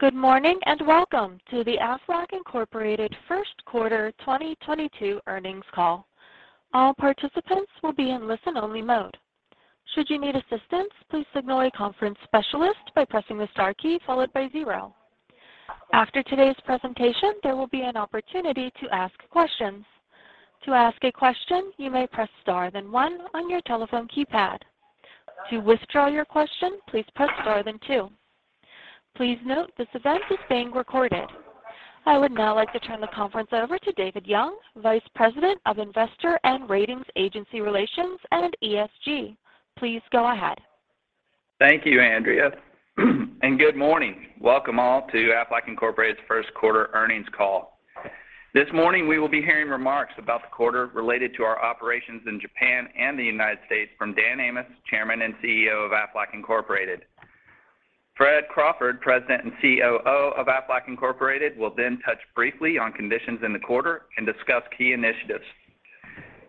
Good morning, and welcome to the Aflac Incorporated first quarter 2022 earnings call. All participants will be in listen-only mode. Should you need assistance, please signal a conference specialist by pressing the star key followed by zero. After today's presentation, there will be an opportunity to ask questions. To ask a question, you may press star then one on your telephone keypad. To withdraw your question, please press star then two. Please note this event is being recorded. I would now like to turn the conference over to David Young, Vice President of Investor and Ratings Agency Relations and ESG. Please go ahead. Thank you, Andrea, and good morning. Welcome all to Aflac Incorporated's first quarter earnings call. This morning we will be hearing remarks about the quarter related to our operations in Japan and the United States from Dan Amos, Chairman and CEO of Aflac Incorporated. Fred Crawford, President and COO of Aflac Incorporated, will then touch briefly on conditions in the quarter and discuss key initiatives.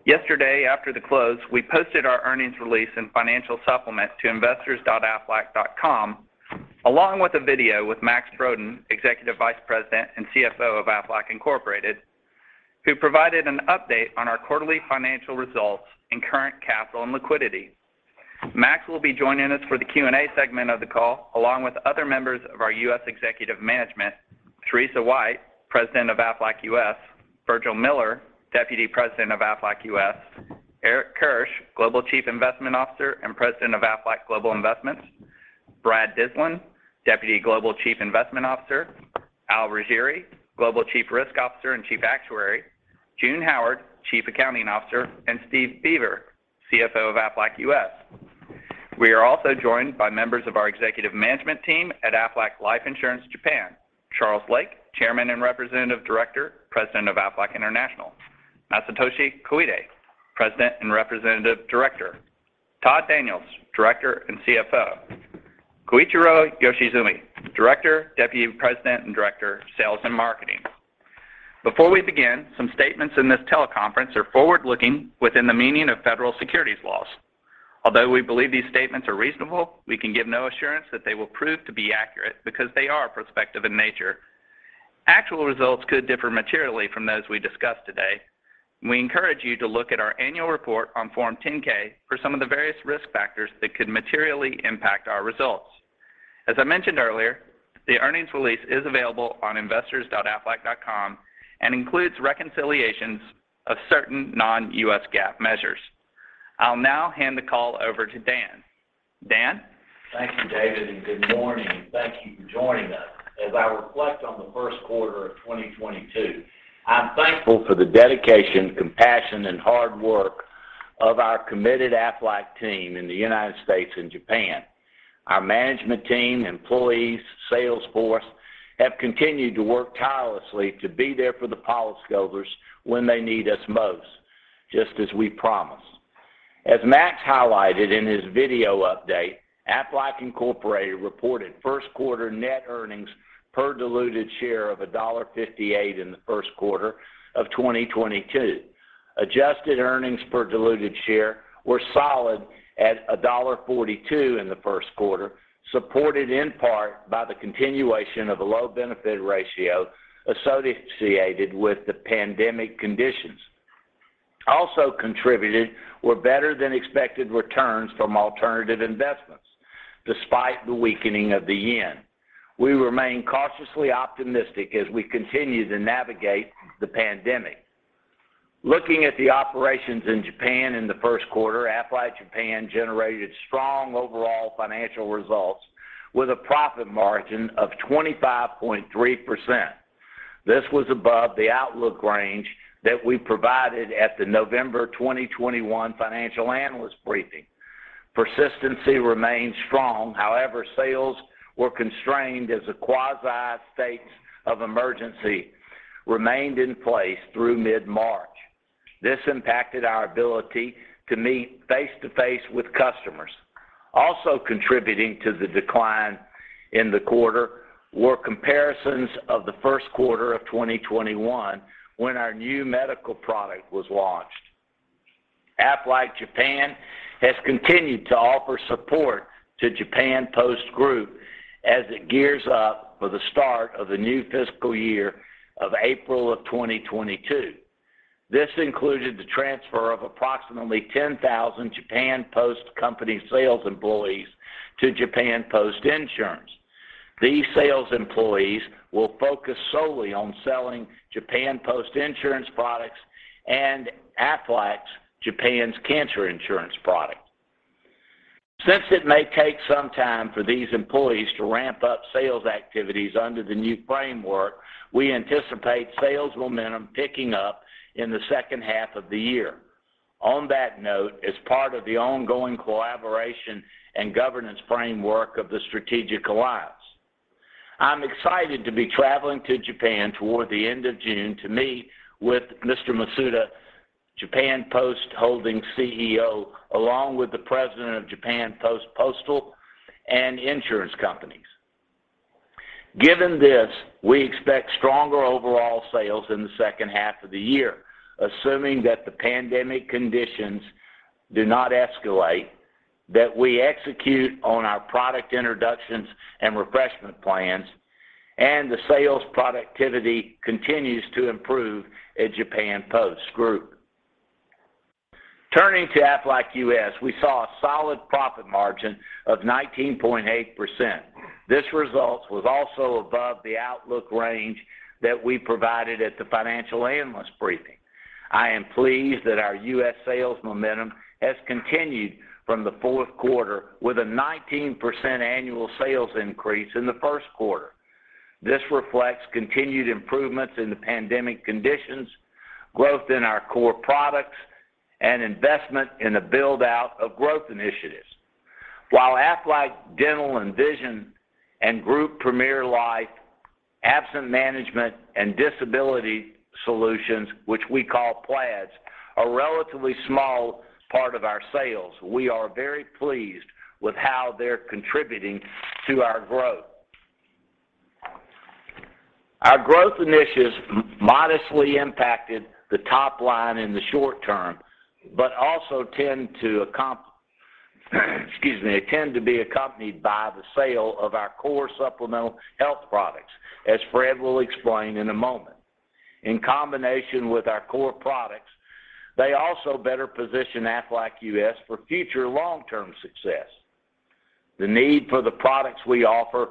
Yesterday, after the close, we posted our earnings release and financial supplement to investors.aflac.com, along with a video with Max Brodén, Executive Vice President and CFO of Aflac Incorporated, who provided an update on our quarterly financial results and current capital and liquidity. Max will be joining us for the Q&A segment of the call, along with other members of our U.S. executive management, Teresa White, President of Aflac US, Virgil Miller, Deputy President of Aflac U.S., Eric Kirsch, Global Chief Investment Officer and President of Aflac Global Investments, Brad Dyslin, Deputy Global Chief Investment Officer, Al Riggieri, Global Chief Risk Officer and Chief Actuary, June Howard, Chief Accounting Officer, and Steve Beaver, CFO of Aflac U.S. We are also joined by members of our executive management team at Aflac Life Insurance Japan, Charles Lake, Chairman and Representative Director, President of Aflac International, Masatoshi Koide, President and Representative Director, Todd Daniels, Director and CFO, Koichiro Yoshizumi, Director, Deputy President and Director of Sales and Marketing. Before we begin, some statements in this teleconference are forward-looking within the meaning of federal securities laws. Although we believe these statements are reasonable, we can give no assurance that they will prove to be accurate because they are prospective in nature. Actual results could differ materially from those we discuss today. We encourage you to look at our annual report on Form 10-K for some of the various risk factors that could materially impact our results. As I mentioned earlier, the earnings release is available on investors.aflac.com and includes reconciliations of certain non-GAAP measures. I'll now hand the call over to Dan. Dan? Thank you, David, and good morning, and thank you for joining us. As I reflect on the first quarter of 2022, I'm thankful for the dedication, compassion, and hard work of our committed Aflac team in the United States and Japan. Our management team, employees, sales force have continued to work tirelessly to be there for the policyholders when they need us most, just as we promised. As Max highlighted in his video update, Aflac Incorporated reported first quarter net earnings per diluted share of $1.58 in the first quarter of 2022. Adjusted earnings per diluted share were solid at $1.42 in the first quarter, supported in part by the continuation of a low benefit ratio associated with the pandemic conditions. Also contributed were better than expected returns from alternative investments despite the weakening of the yen. We remain cautiously optimistic as we continue to navigate the pandemic. Looking at the operations in Japan in the first quarter, Aflac Japan generated strong overall financial results with a profit margin of 25.3%. This was above the outlook range that we provided at the November 2021 financial analyst briefing. Persistency remains strong. However, sales were constrained as the quasi state of emergency remained in place through mid-March. This impacted our ability to meet face-to-face with customers. Also contributing to the decline in the quarter were comparisons of the first quarter of 2021 when our new medical product was launched. Aflac Japan has continued to offer support to Japan Post Group as it gears up for the start of the new fiscal year of April 2022. This included the transfer of approximately 10,000 Japan Post Company sales employees to Japan Post Insurance. These sales employees will focus solely on selling Japan Post Insurance products and Aflac Japan's cancer insurance product. Since it may take some time for these employees to ramp up sales activities under the new framework, we anticipate sales momentum picking up in the second half of the year. On that note, as part of the ongoing collaboration and governance framework of the strategic alliance, I'm excited to be traveling to Japan toward the end of June to meet with Mr. Masuda, Japan Post Holdings CEO, along with the President of Japan Post Postal and Insurance Companies. Given this, we expect stronger overall sales in the second half of the year, assuming that the pandemic conditions do not escalate, that we execute on our product introductions and refreshment plans, and the sales productivity continues to improve at Japan Post Group. Turning to Aflac U.S., we saw a solid profit margin of 19.8%. This result was also above the outlook range that we provided at the financial analyst briefing. I am pleased that our U.S. sales momentum has continued from the fourth quarter with a 19% annual sales increase in the first quarter. This reflects continued improvements in the pandemic conditions, growth in our core products, and investment in the build-out of growth initiatives. While Aflac Dental and Vision and Premier Life, Absence Management, and Disability Solutions, which we call PLADS, are relatively small part of our sales, we are very pleased with how they're contributing to our growth. Our growth initiatives modestly impacted the top line in the short term, but also tend to be accompanied by the sale of our core supplemental health products, as Fred will explain in a moment. In combination with our core products, they also better position Aflac U.S. for future long-term success. The need for the products we offer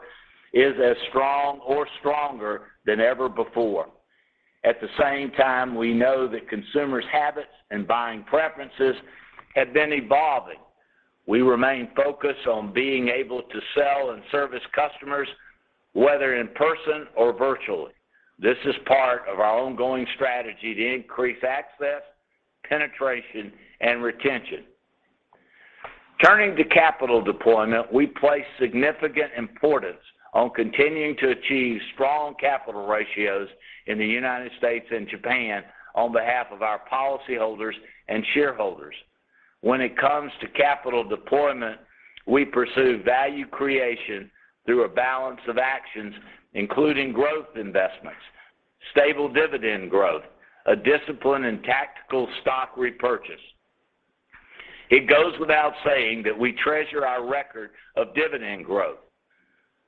is as strong or stronger than ever before. At the same time, we know that consumers' habits and buying preferences have been evolving. We remain focused on being able to sell and service customers, whether in person or virtually. This is part of our ongoing strategy to increase access, penetration, and retention. Turning to capital deployment, we place significant importance on continuing to achieve strong capital ratios in the United States and Japan on behalf of our policyholders and shareholders. When it comes to capital deployment, we pursue value creation through a balance of actions, including growth investments, stable dividend growth, disciplined and tactical stock repurchase. It goes without saying that we treasure our record of dividend growth.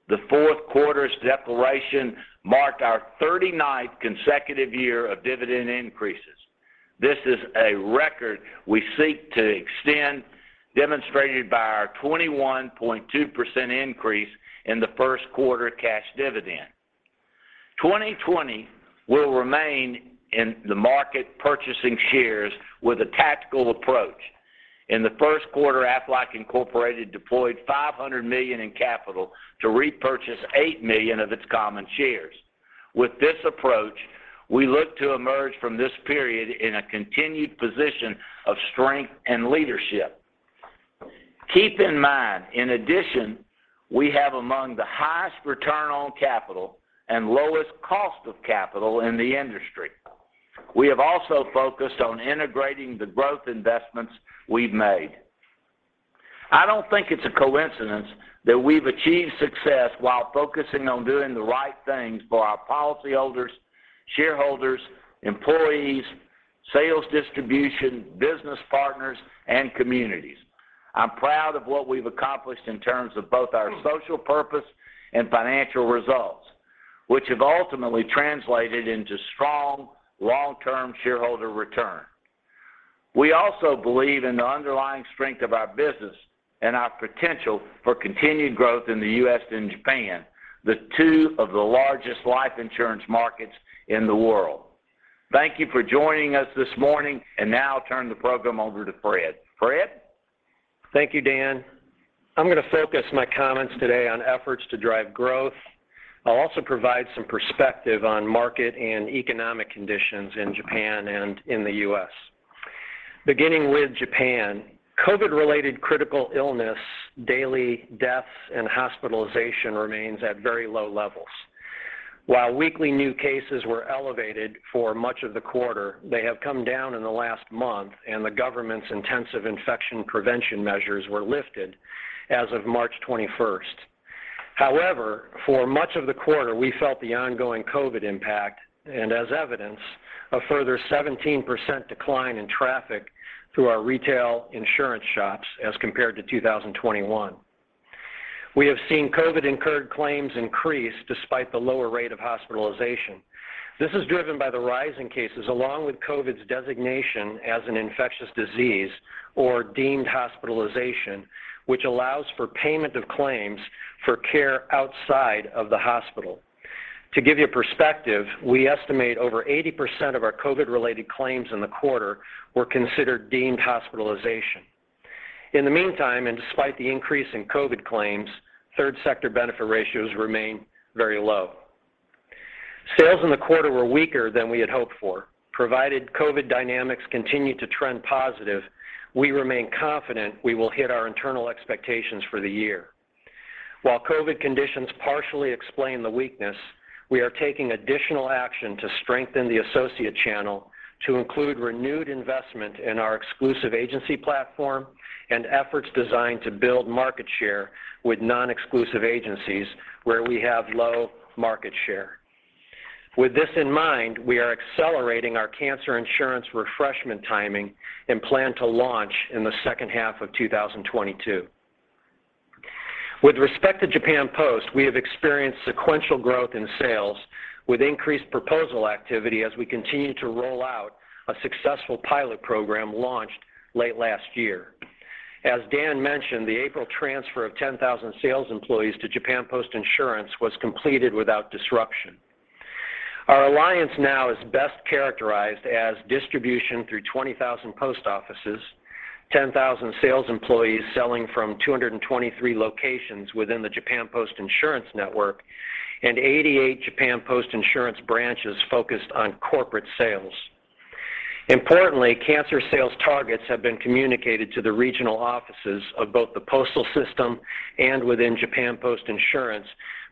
The fourth quarter's declaration marked our 39th consecutive year of dividend increases. This is a record we seek to extend, demonstrated by our 21.2% increase in the first quarter cash dividend. In 2020 we'll remain in the market purchasing shares with a tactical approach. In the first quarter, Aflac Incorporated deployed $500 million in capital to repurchase 8 million of its common shares. With this approach, we look to emerge from this period in a continued position of strength and leadership. Keep in mind, in addition, we have among the highest return on capital and lowest cost of capital in the industry. We have also focused on integrating the growth investments we've made. I don't think it's a coincidence that we've achieved success while focusing on doing the right things for our policyholders, shareholders, employees, sales distribution, business partners, and communities. I'm proud of what we've accomplished in terms of both our social purpose and financial results, which have ultimately translated into strong long-term shareholder return. We also believe in the underlying strength of our business and our potential for continued growth in the U.S. and Japan, two of the largest life insurance markets in the world. Thank you for joining us this morning, and now I'll turn the program over to Fred. Fred? Thank you, Dan. I'm gonna focus my comments today on efforts to drive growth. I'll also provide some perspective on market and economic conditions in Japan and in the U.S. Beginning with Japan, COVID-related critical illness, daily deaths, and hospitalization remains at very low levels. While weekly new cases were elevated for much of the quarter, they have come down in the last month, and the government's intensive infection prevention measures were lifted as of March 21. However, for much of the quarter, we felt the ongoing COVID impact and as evidence, a further 17% decline in traffic through our retail insurance shops as compared to 2021. We have seen COVID-incurred claims increase despite the lower rate of hospitalization. This is driven by the rise in cases along with COVID's designation as an infectious disease or deemed hospitalization, which allows for payment of claims for care outside of the hospital. To give you perspective, we estimate over 80% of our COVID-related claims in the quarter were considered deemed hospitalization. In the meantime, and despite the increase in COVID claims, third sector benefit ratios remain very low. Sales in the quarter were weaker than we had hoped for. Provided COVID dynamics continue to trend positive, we remain confident we will hit our internal expectations for the year. While COVID conditions partially explain the weakness, we are taking additional action to strengthen the associate channel to include renewed investment in our exclusive agency platform and efforts designed to build market share with non-exclusive agencies where we have low market share. With this in mind, we are accelerating our cancer insurance refreshment timing and plan to launch in the second half of 2022. With respect to Japan Post, we have experienced sequential growth in sales with increased proposal activity as we continue to roll out a successful pilot program launched late last year. As Dan mentioned, the April transfer of 10,000 sales employees to Japan Post Insurance was completed without disruption. Our alliance now is best characterized as distribution through 20,000 post offices, 10,000 sales employees selling from 223 locations within the Japan Post Insurance network, and 88 Japan Post Insurance branches focused on corporate sales. Importantly, cancer sales targets have been communicated to the regional offices of both the postal system and within Japan Post Insurance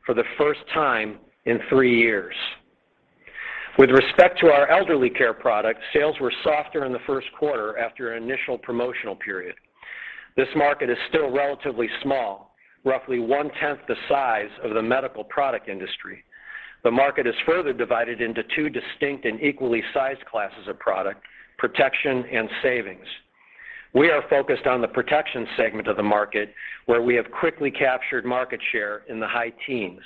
for the first time in three years. With respect to our elderly care product, sales were softer in the first quarter after an initial promotional period. This market is still relatively small, roughly one-tenth the size of the medical product industry. The market is further divided into two distinct and equally sized classes of product, protection and savings. We are focused on the protection segment of the market, where we have quickly captured market share in the high teens.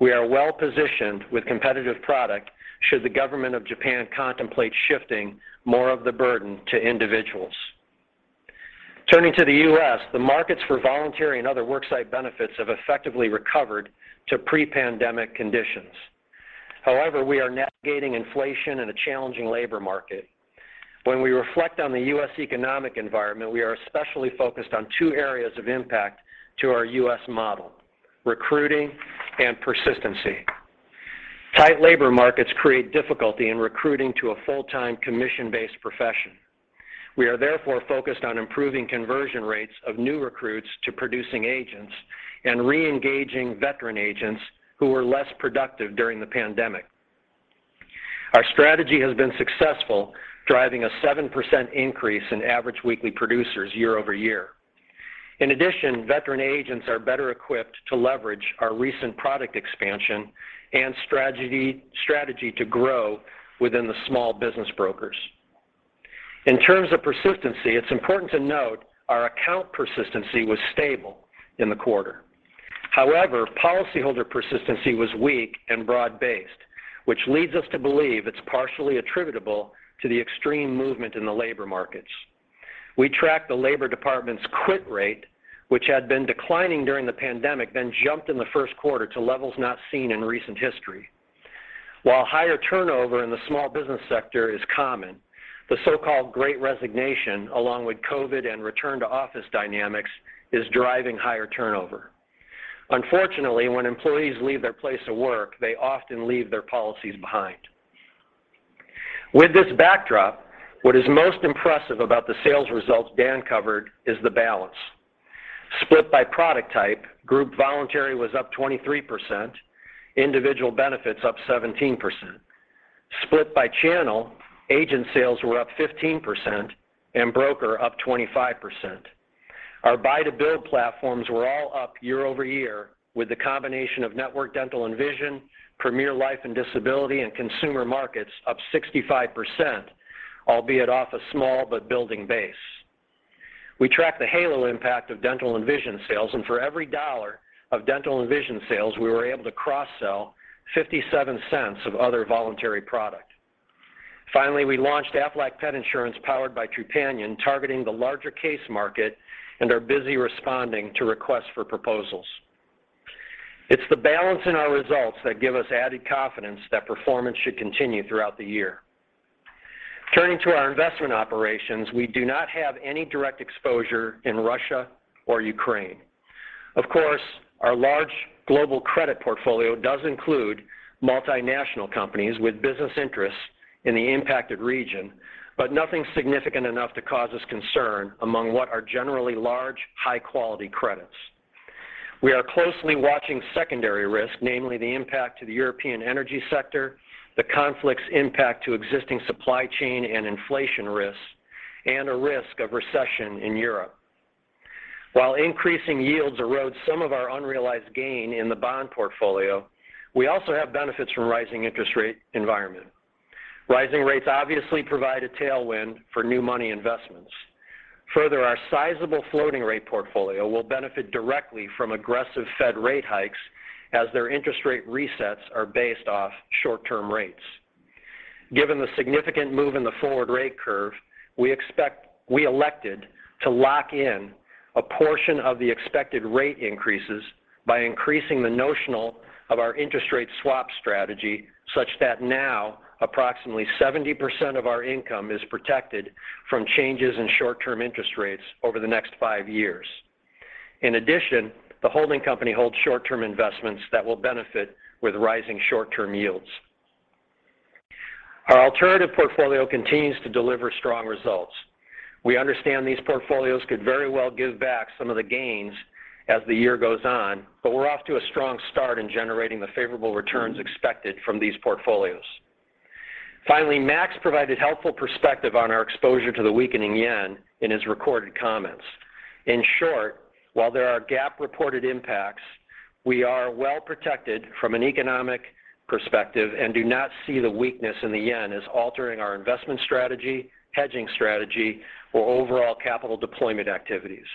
We are well-positioned with competitive product should the government of Japan contemplate shifting more of the burden to individuals. Turning to the U.S., the markets for voluntary and other worksite benefits have effectively recovered to pre-pandemic conditions. However, we are navigating inflation in a challenging labor market. When we reflect on the U.S. economic environment, we are especially focused on two areas of impact to our U.S. model, recruiting and persistency. Tight labor markets create difficulty in recruiting to a full-time commission-based profession. We are therefore focused on improving conversion rates of new recruits to producing agents and re-engaging veteran agents who were less productive during the pandemic. Our strategy has been successful, driving a 7% increase in average weekly producers year-over-year. In addition, veteran agents are better equipped to leverage our recent product expansion and strategy to grow within the small business brokers. In terms of persistency, it's important to note our account persistency was stable in the quarter. However, policyholder persistency was weak and broad-based, which leads us to believe it's partially attributable to the extreme movement in the labor markets. We tracked the Labor Department's quit rate, which had been declining during the pandemic, then jumped in the first quarter to levels not seen in recent history. While higher turnover in the small business sector is common, the so-called Great Resignation along with COVID and return to office dynamics is driving higher turnover. Unfortunately, when employees leave their place of work, they often leave their policies behind. With this backdrop, what is most impressive about the sales results Dan covered is the balance. Split by product type, group voluntary was up 23%, individual benefits up 17%. Split by channel, agent sales were up 15% and broker up 25%. Our buy-to-build platforms were all up year-over-year with the combination of Aflac Dental and Vision, Premier Life and Disability, and consumer markets up 65%, albeit off a small but building base. We tracked the halo impact of dental and vision sales, and for every dollar of dental and vision sales, we were able to cross-sell $0.57 of other voluntary product. Finally, we launched Aflac Pet Insurance, powered by Trupanion, targeting the larger case market and are busy responding to requests for proposals. It's the balance in our results that give us added confidence that performance should continue throughout the year. Turning to our investment operations, we do not have any direct exposure in Russia or Ukraine. Of course, our large global credit portfolio does include multinational companies with business interests in the impacted region, but nothing significant enough to cause us concern among what are generally large, high-quality credits. We are closely watching secondary risk, namely the impact to the European energy sector, the conflict's impact to existing supply chain and inflation risks, and a risk of recession in Europe. While increasing yields erode some of our unrealized gain in the bond portfolio, we also have benefits from rising interest rate environment. Rising rates obviously provide a tailwind for new money investments. Further, our sizable floating rate portfolio will benefit directly from aggressive Fed rate hikes as their interest rate resets are based off short-term rates. Given the significant move in the forward rate curve, we elected to lock in a portion of the expected rate increases by increasing the notional of our interest rate swap strategy, such that now approximately 70% of our income is protected from changes in short-term interest rates over the next five years. In addition, the holding company holds short-term investments that will benefit with rising short-term yields. Our alternative portfolio continues to deliver strong results. We understand these portfolios could very well give back some of the gains as the year goes on, but we're off to a strong start in generating the favorable returns expected from these portfolios. Finally, Max provided helpful perspective on our exposure to the weakening yen in his recorded comments. In short, while there are GAAP reported impacts, we are well protected from an economic perspective and do not see the weakness in the yen as altering our investment strategy, hedging strategy, or overall capital deployment activities.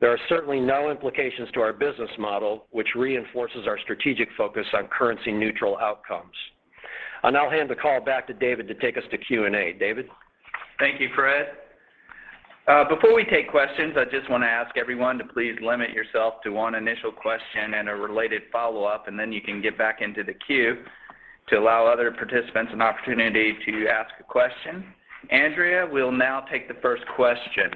There are certainly no implications to our business model, which reinforces our strategic focus on currency neutral outcomes. I'll now hand the call back to David to take us to Q&A. David? Thank you, Fred. Before we take questions, I just want to ask everyone to please limit yourself to one initial question and a related follow-up, and then you can get back into the queue to allow other participants an opportunity to ask a question. Andrea, we'll now take the first question.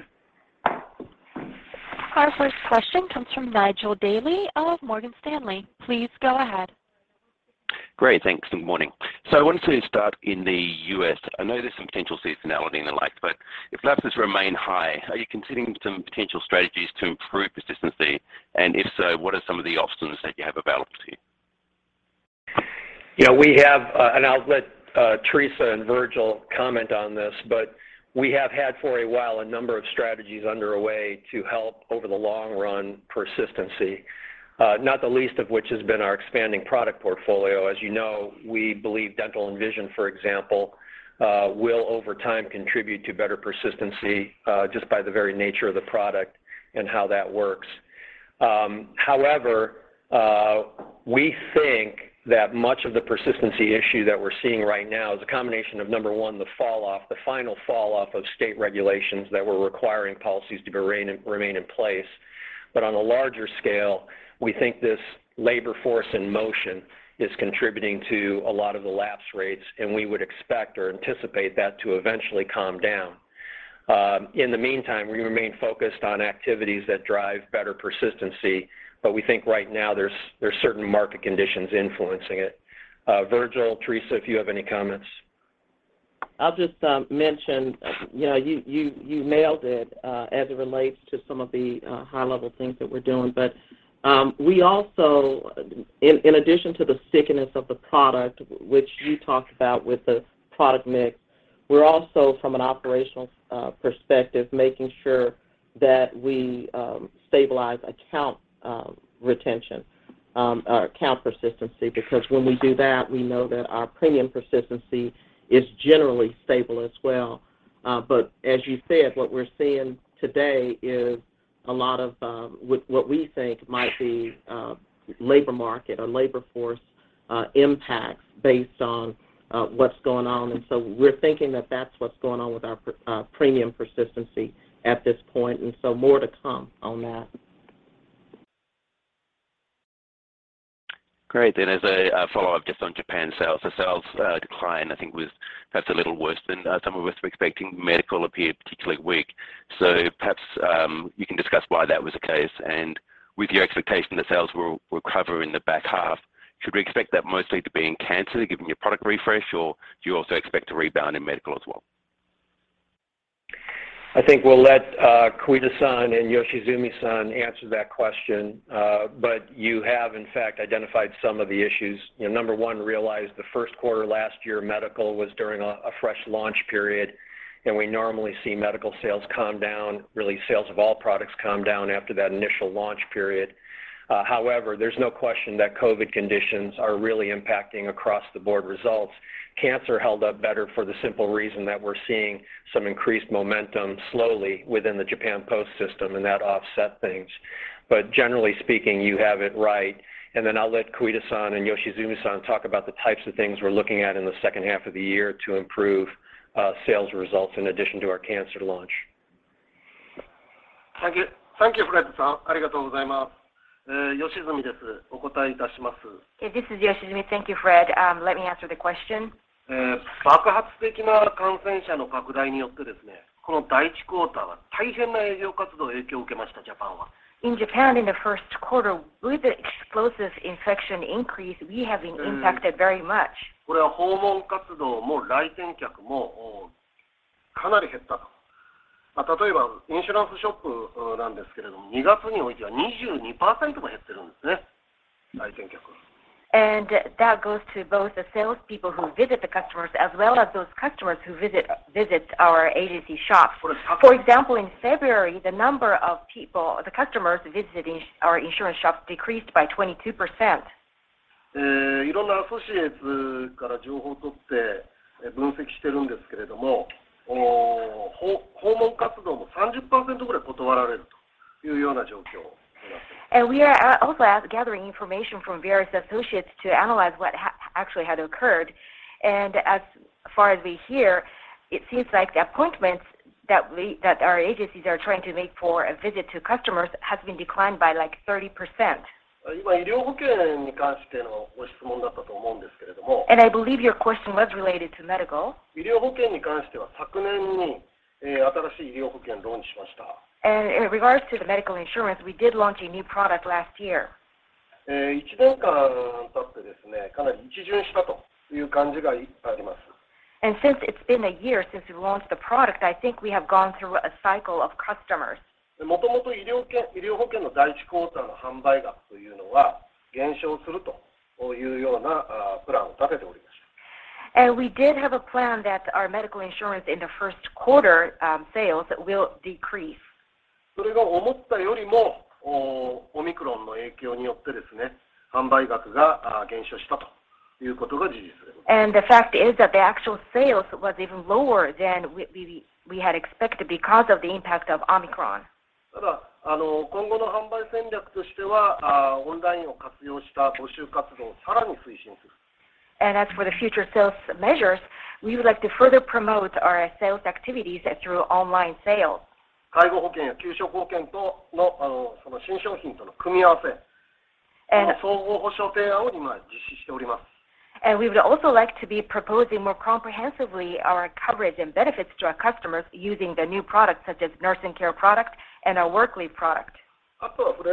Our first question comes from Nigel Dally of Morgan Stanley. Please go ahead. Good morning. Thanks. I wanted to start in the U.S. I know there's some potential seasonality and the like, but if lapses remain high, are you considering some potential strategies to improve persistency? If so, what are some of the options that you have available to you? Yeah, we have, and I'll let Teresa and Virgil comment on this, but we have had for a while a number of strategies under way to help over the long run persistency, not the least of which has been our expanding product portfolio. As you know, we believe dental and vision, for example, will over time contribute to better persistency, just by the very nature of the product and how that works. However, we think that much of the persistency issue that we're seeing right now is a combination of, number one, the fall off, the final fall off of state regulations that were requiring policies to remain in place. On a larger scale, we think this labor force in motion is contributing to a lot of the lapse rates, and we would expect or anticipate that to eventually calm down. In the meantime, we remain focused on activities that drive better persistency, but we think right now there's certain market conditions influencing it. Virgil, Teresa, if you have any comments. I'll just mention, you know, you nailed it, as it relates to some of the high-level things that we're doing. We also, in addition to the stickiness of the product, which you talked about with the product mix, we're also from an operational perspective, making sure that we stabilize account retention or account persistency, because when we do that, we know that our premium persistency is generally stable as well. As you said, what we're seeing today is a lot of what we think might be labor market or labor force impacts based on what's going on. We're thinking that that's what's going on with our premium persistency at this point, and so more to come on that. Great. As a follow-up just on Japan sales. The sales decline I think was perhaps a little worse than some of us were expecting. Medical appeared particularly weak. Perhaps you can discuss why that was the case. With your expectation that sales will recover in the back half, should we expect that mostly to be in cancer given your product refresh, or do you also expect to rebound in medical as well? I think we'll let Koide-san and Yoshizumi-san answer that question. You have in fact identified some of the issues. You know, number one, realize the first quarter last year, medical was during a fresh launch period, and we normally see medical sales calm down, really sales of all products calm down after that initial launch period. However, there's no question that COVID conditions are really impacting across the board results. Cancer held up better for the simple reason that we're seeing some increased momentum slowly within the Japan Post system and that offset things. Generally speaking, you have it right. Then I'll let Koide-san and Yoshizumi-san talk about the types of things we're looking at in the second half of the year to improve sales results in addition to our cancer launch. Thank you. Thank you, Fred-san. Yeah, this is Yoshizumi. Thank you, Fred. Let me answer the question. In Japan in the first quarter, with the explosive infection increase, we have been impacted very much. That goes to both the salespeople who visit the customers as well as those customers who visit our agency shops. For example, in February, the number of people, the customers visiting our insurance shops decreased by 22%. We are also gathering information from various associates to analyze what actually had occurred. As far as we hear, it seems like the appointments that our agencies are trying to make for a visit to customers has been declined by like 30%. I believe your question was related to medical. In regards to the medical insurance, we did launch a new product last year. Since it's been a year since we launched the product, I think we have gone through a cycle of customers. We did have a plan that our medical insurance in the first quarter sales will decrease. The fact is that the actual sales was even lower than we had expected because of the impact of Omicron. As for the future sales measures, we would like to further promote our sales activities through online sales. We would also like to be proposing more comprehensively our coverage and benefits to our customers using the new products such as nursing care product and our work leave product. The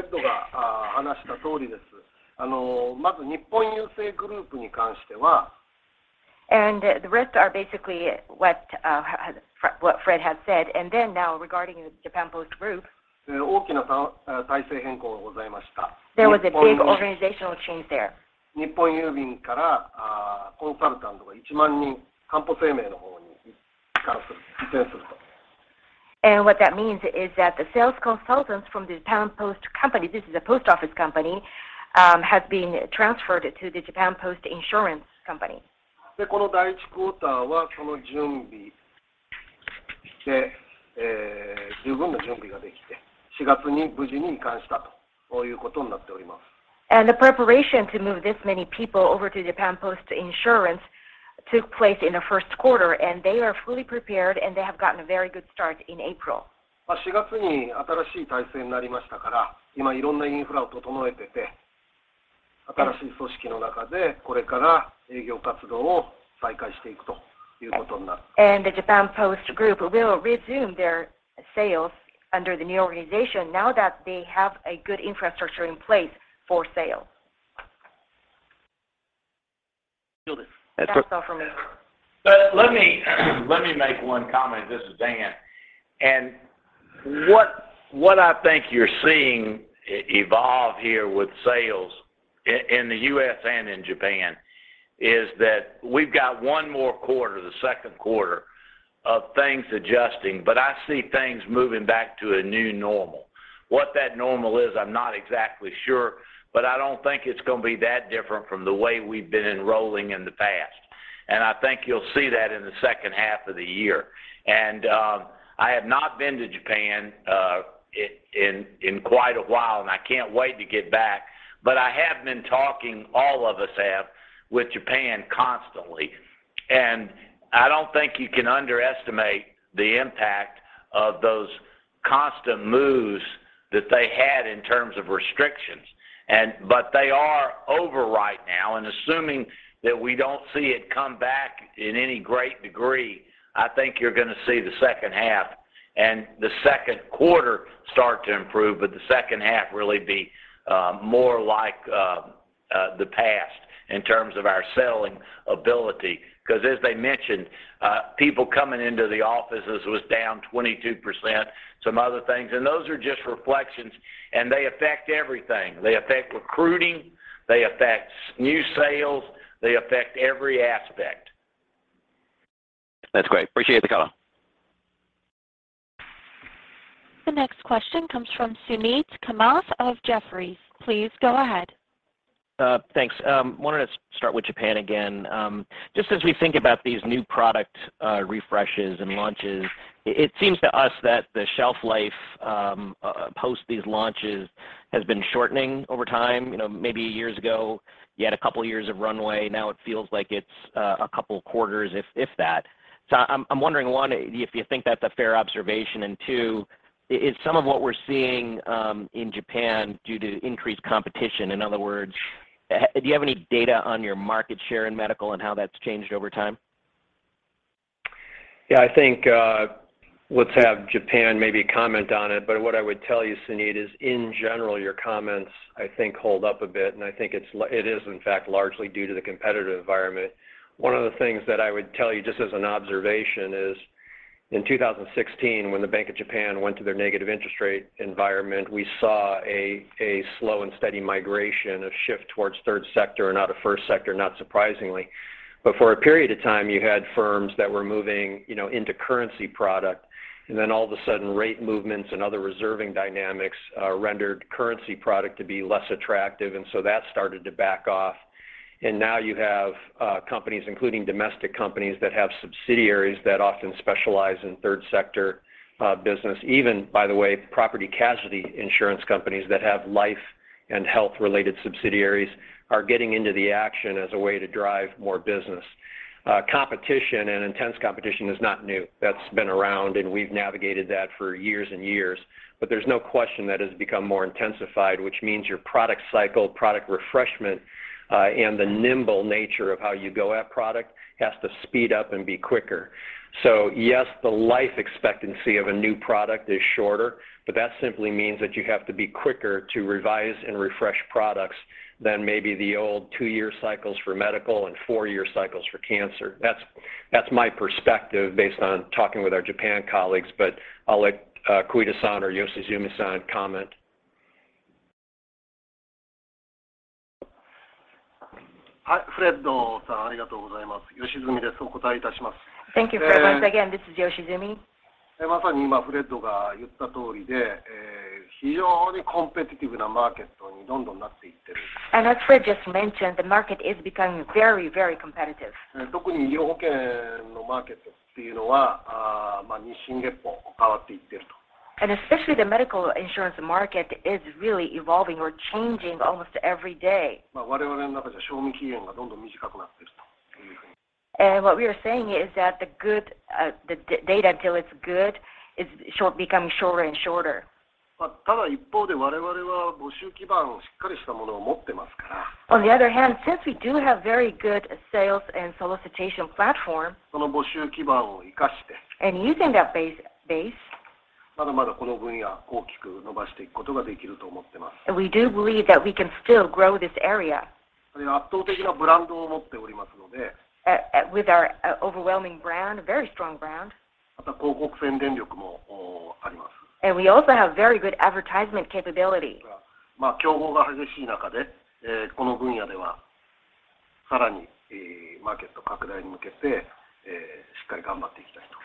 rest are basically what Fred has said. Then now regarding the Japan Post Group. There was a big organizational change there. What that means is that the sales consultants from the Japan Post Company, this is a post office company, have been transferred to the Japan Post Insurance. The preparation to move this many people over to Japan Post Insurance took place in the first quarter, and they are fully prepared, and they have gotten a very good start in April. The Japan Post Group will resume their sales under the new organization now that they have a good infrastructure in place for sales. That's all for me. Let me make one comment. This is Dan. What I think you're seeing evolve here with sales in the U.S. and in Japan is that we've got 1 more quarter, the second quarter of things adjusting, but I see things moving back to a new normal. What that normal is, I'm not exactly sure, but I don't think it's gonna be that different from the way we've been enrolling in the past. I think you'll see that in the second half of the year. I have not been to Japan in quite a while, and I can't wait to get back. I have been talking, all of us have, with Japan constantly. I don't think you can underestimate the impact of those constant moves that they had in terms of restrictions. They are over right now, and assuming that we don't see it come back in any great degree, I think you're gonna see the second half and the second quarter start to improve, but the second half really be more like the past in terms of our selling ability. Because as they mentioned, people coming into the offices was down 22%, some other things. Those are just reflections, and they affect everything. They affect recruiting, they affect new sales, they affect every aspect. That's great. Appreciate the color. The next question comes from Suneet Kamath of Jefferies. Please go ahead. Thanks. Wanted to start with Japan again. Just as we think about these new product refreshes and launches, it seems to us that the shelf life post these launches has been shortening over time. You know, maybe years ago you had a couple years of runway. Now it feels like it's a couple quarters, if that. I'm wondering, one, if you think that's a fair observation. Two, is some of what we're seeing in Japan due to increased competition? In other words, do you have any data on your market share in medical and how that's changed over time? Yeah, I think, let's have Japan maybe comment on it. What I would tell you, Suneet, is in general, your comments, I think, hold up a bit, and I think it is in fact largely due to the competitive environment. One of the things that I would tell you just as an observation is in 2016 when the Bank of Japan went to their negative interest rate environment, we saw a slow and steady migration, a shift towards third sector and out of first sector, not surprisingly. For a period of time, you had firms that were moving, you know, into currency product, and then all of a sudden rate movements and other reserving dynamics rendered currency product to be less attractive, and so that started to back off. Now you have companies, including domestic companies, that have subsidiaries that often specialize in third sector business. Even, by the way, property casualty insurance companies that have life and health related subsidiaries are getting into the action as a way to drive more business. Competition and intense competition is not new. That's been around, and we've navigated that for years and years. There's no question that has become more intensified, which means your product cycle, product refreshment, and the nimble nature of how you go at product has to speed up and be quicker. Yes, the life expectancy of a new product is shorter, but that simply means that you have to be quicker to revise and refresh products than maybe the old two-year cycles for medical and four-year cycles for cancer. That's my perspective based on talking with our Japan colleagues, but I'll let Koide-san or Yoshizumi-san comment. はい、Fredさんありがとうございます。吉住です。お答えいたします。Thank you, Fred. Once again, this is Yoshizumi. まさに今Fredが言った通りで、非常にコンペティティブなマーケットにどんどんなっていってる。As Fred just mentioned, the market is becoming very, very competitive. 特に医療保険のマーケットというのは、日進月歩変わっていっていると。Especially the medical insurance market is really evolving or changing almost every day. まあ、我々の中じゃ賞味期限がどんどん短くなってると。What we are saying is that the data until it's good is becoming shorter and shorter. まただ一方で我々は募集基盤をしっかりしたものを持ってますから。On the other hand, since we do have very good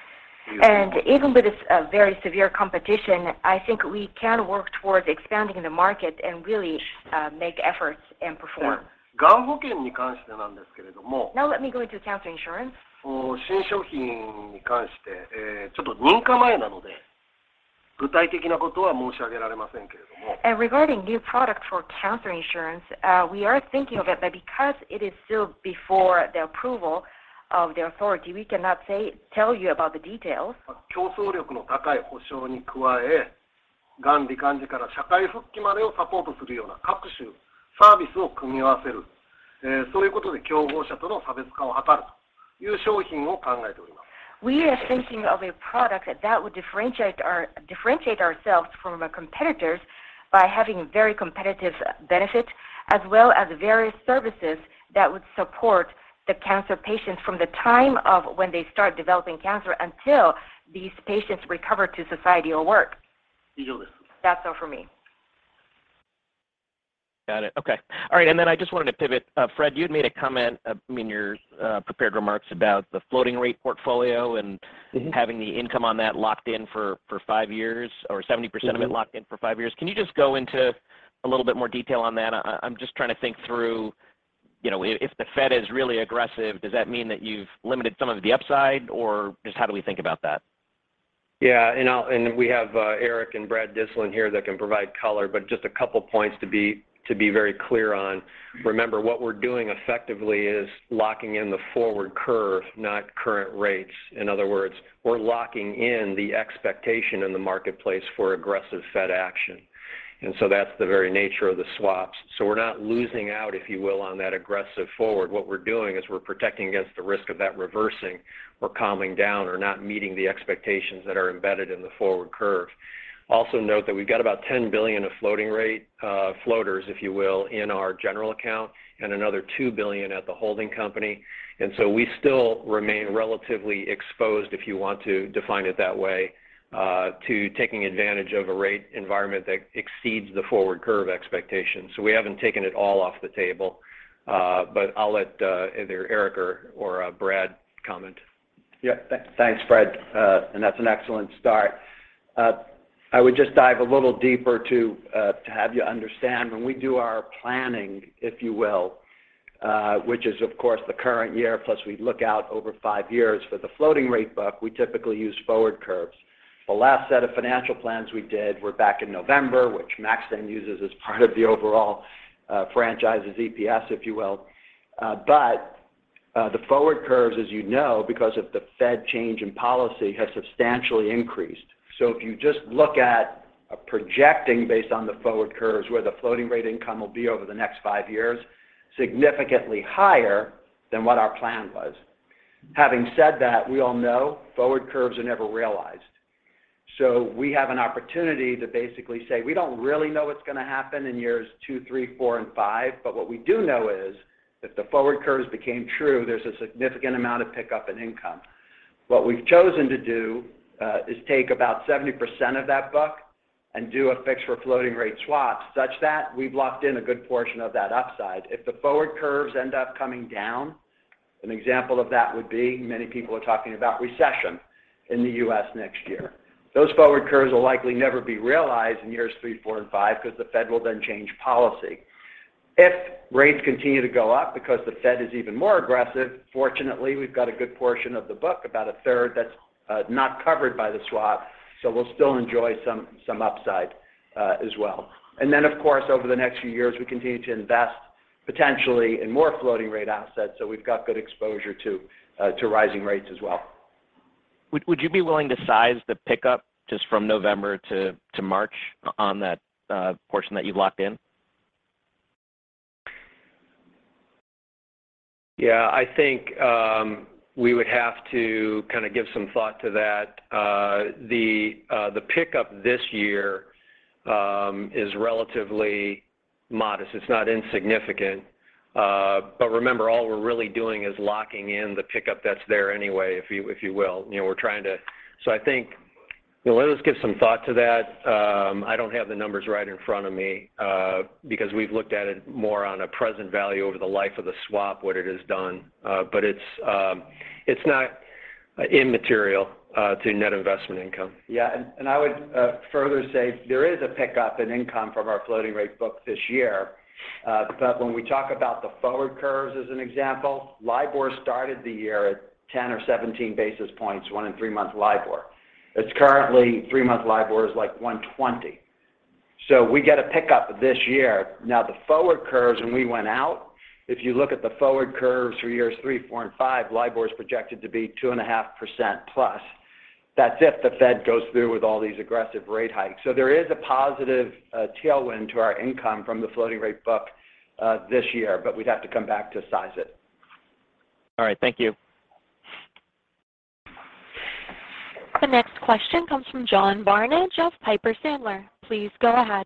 sales and solicitation platform. その募集基盤を生かして。using that base. まだまだこの分野大きく伸ばしていくことができると思ってます。We do believe that we can still grow this area. 私どもは圧倒的なブランドを持っております。with our overwhelming brand, very strong brand. また広告宣伝力も、あります。We also have very good advertisement capability. ですから、競合が激しい中で、この分野ではさらにマーケット拡大に向けて、しっかり頑張っていきたいと。Even with this very severe competition, I think we can work towards expanding the market and really make efforts and perform. では、がん保険に関してなんですけれども。Now let me go into cancer insurance. 新商品に関して、ちょっと認可前なので、具体的なことは申し上げられませんけれども。Regarding new product for cancer insurance, we are thinking of it, but because it is still before the approval of the authority, we cannot tell you about the details. まあ、競争力の高い保証に加え、がん罹患時から社会復帰までをサポートするような各種サービスを組み合わせる。そういうことで競合他社との差別化を図るという商品を考えております。We are thinking of a product that would differentiate ourselves from our competitors by having very competitive benefits as well as various services that would support the cancer patients from the time of when they start developing cancer until these patients recover to society or work. 以上です。That's all for me. Got it. Okay. All right. I just wanted to pivot. Fred, you had made a comment, I mean, your prepared remarks about the floating rate portfolio and Mm-hmm. Having the income on that locked in for five years or 70% of it locked in for five years. Can you just go into a little bit more detail on that? I'm just trying to think through, you know, if the Fed is really aggressive, does that mean that you've limited some of the upside or just how do we think about that? We have Eric Kirsch and Brad Dyslin here that can provide color, but just a couple points to be very clear on. Remember, what we're doing effectively is locking in the forward curve, not current rates. In other words, we're locking in the expectation in the marketplace for aggressive Fed action. That's the very nature of the swaps. We're not losing out, if you will, on that aggressive forward. What we're doing is we're protecting against the risk of that reversing or calming down or not meeting the expectations that are embedded in the forward curve. Also note that we've got about $10 billion of floating rate floaters, if you will, in our general account and another $2 billion at the holding company. We still remain relatively exposed, if you want to define it that way, to taking advantage of a rate environment that exceeds the forward curve expectations. We haven't taken it all off the table. I'll let either Eric or Brad comment. Yeah. Thanks, Fred. That's an excellent start. I would just dive a little deeper to have you understand when we do our planning, if you will, which is of course the current year, plus we look out over five years for the floating rate book. We typically use forward curves. The last set of financial plans we did were back in November, which Max then uses as part of the overall franchise's EPS, if you will. The forward curves, as you know, because of the Fed change in policy, have substantially increased. If you just look at projecting based on the forward curves where the floating rate income will be over the next five years, significantly higher than what our plan was. Having said that, we all know forward curves are never realized. We have an opportunity to basically say, we don't really know what's gonna happen in years two, three, four, and five, but what we do know is if the forward curves became true, there's a significant amount of pickup in income. What we've chosen to do is take about 70% of that book and do a fixed for floating rate swap such that we've locked in a good portion of that upside. If the forward curves end up coming down, an example of that would be many people are talking about recession in the U.S. next year. Those forward curves will likely never be realized in years three, four, and five because the Fed will then change policy. If rates continue to go up because the Fed is even more aggressive, fortunately, we've got a good portion of the book, about a third that's not covered by the swap, so we'll still enjoy some upside as well. Of course, over the next few years, we continue to invest potentially in more floating rate assets, so we've got good exposure to rising rates as well. Would you be willing to size the pickup just from November to March on that portion that you've locked in? Yeah. I think we would have to kind of give some thought to that. The pickup this year is relatively modest. It's not insignificant. Remember, all we're really doing is locking in the pickup that's there anyway, if you will. You know, I think Well, let us give some thought to that. I don't have the numbers right in front of me, because we've looked at it more on a present value over the life of the swap, what it has done. It's not immaterial to net investment income. I would further say there is a pickup in income from our floating rate book this year. When we talk about the forward curves as an example, LIBOR started the year at 10 or 17 basis points, 1% in three-month LIBOR. It's currently three-month LIBOR is like 120. We get a pickup this year. Now, the forward curves when we went out, if you look at the forward curves for years three, four, and five, LIBOR is projected to be 2.5%+. That's if the Fed goes through with all these aggressive rate hikes. There is a positive tailwind to our income from the floating rate book this year, but we'd have to come back to size it. All right. Thank you. The next question comes from John Barnidge of Piper Sandler. Please go ahead.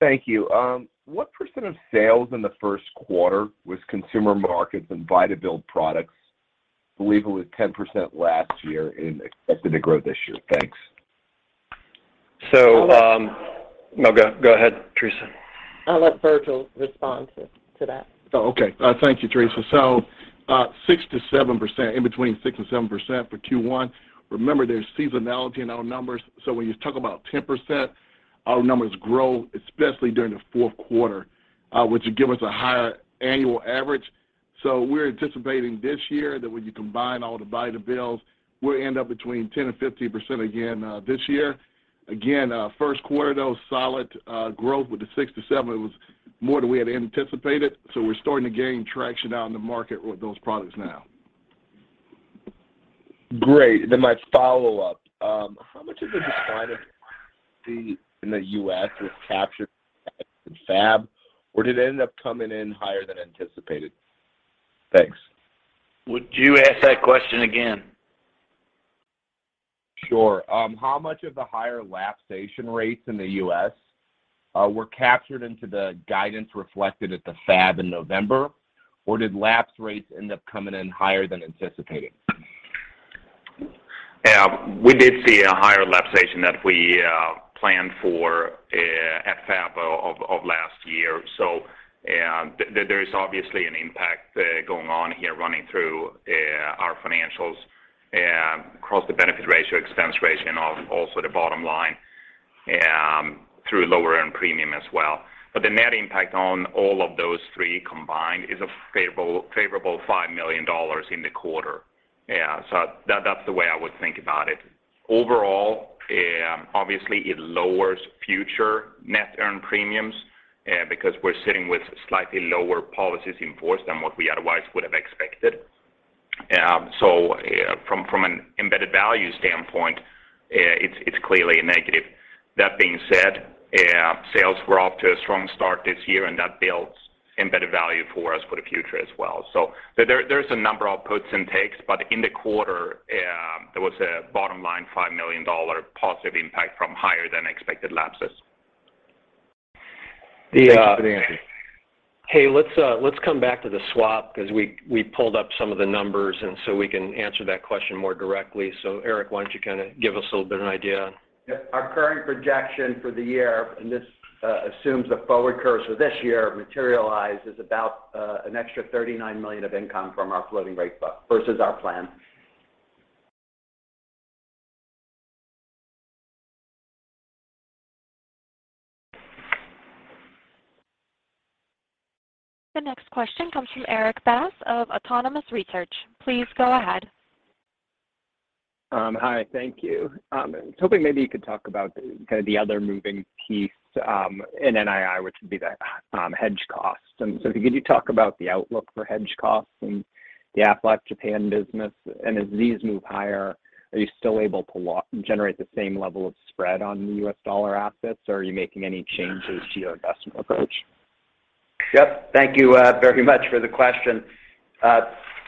Thank you. What percent of sales in the first quarter was consumer markets and buy-to-build products? Believe it was 10% last year and expected to grow this year. Thanks. So, um- I'll let. No, go ahead, Teresa. I'll let Virgil respond to that. Oh, okay. Thank you, Teresa. Six to seven percent, in between 6% and 7% for Q1. Remember, there's seasonality in our numbers, so when you talk about 10%, our numbers grow, especially during the fourth quarter, which will give us a higher annual average. We're anticipating this year that when you combine all the buy-to-builds, we'll end up between 10% and 15% again, this year. Again, first quarter, though, solid growth with the 6%-7%. It was more than we had anticipated. We're starting to gain traction out in the market with those products now. Great. My follow-up. How much of the decline in the, in the U.S. was captured in FAB, or did it end up coming in higher than anticipated? Thanks. Would you ask that question again? Sure. How much of the higher lapse rates in the U.S. were captured into the guidance reflected at the FAB in November, or did lapse rates end up coming in higher than anticipated? Yeah. We did see a higher lapsation than we planned for at FAB of last year. There is obviously an impact going on here running through our financials across the benefit ratio, expense ratio and also the bottom line through lower earned premium as well. The net impact on all of those three combined is a favorable $5 million in the quarter. Yeah. That's the way I would think about it. Overall, obviously it lowers future net earned premiums because we're sitting with slightly lower policies in force than what we otherwise would have expected. From an embedded value standpoint, it's clearly a negative. That being said, sales were off to a strong start this year, and that builds embedded value for us for the future as well. There is a number of puts and takes, but in the quarter, there was a bottom line $5 million positive impact from higher-than-expected lapses. Thank you for the answer. Hey, let's come back to the swap because we pulled up some of the numbers and so we can answer that question more directly. Eric, why don't you kind of give us a little bit of an idea? Yeah. Our current projection for the year, and this, assumes the forward curves for this year materialize, is about an extra $39 million of income from our floating rate book versus our plan. The next question comes from Erik Bass of Autonomous Research. Please go ahead. Hi. Thank you. I was hoping maybe you could talk about kind of the other moving piece in NII, which would be the hedge costs. Could you talk about the outlook for hedge costs in the Aflac Japan business? As these move higher, are you still able to generate the same level of spread on the US dollar assets, or are you making any changes to your investment approach? Yep. Thank you, very much for the question.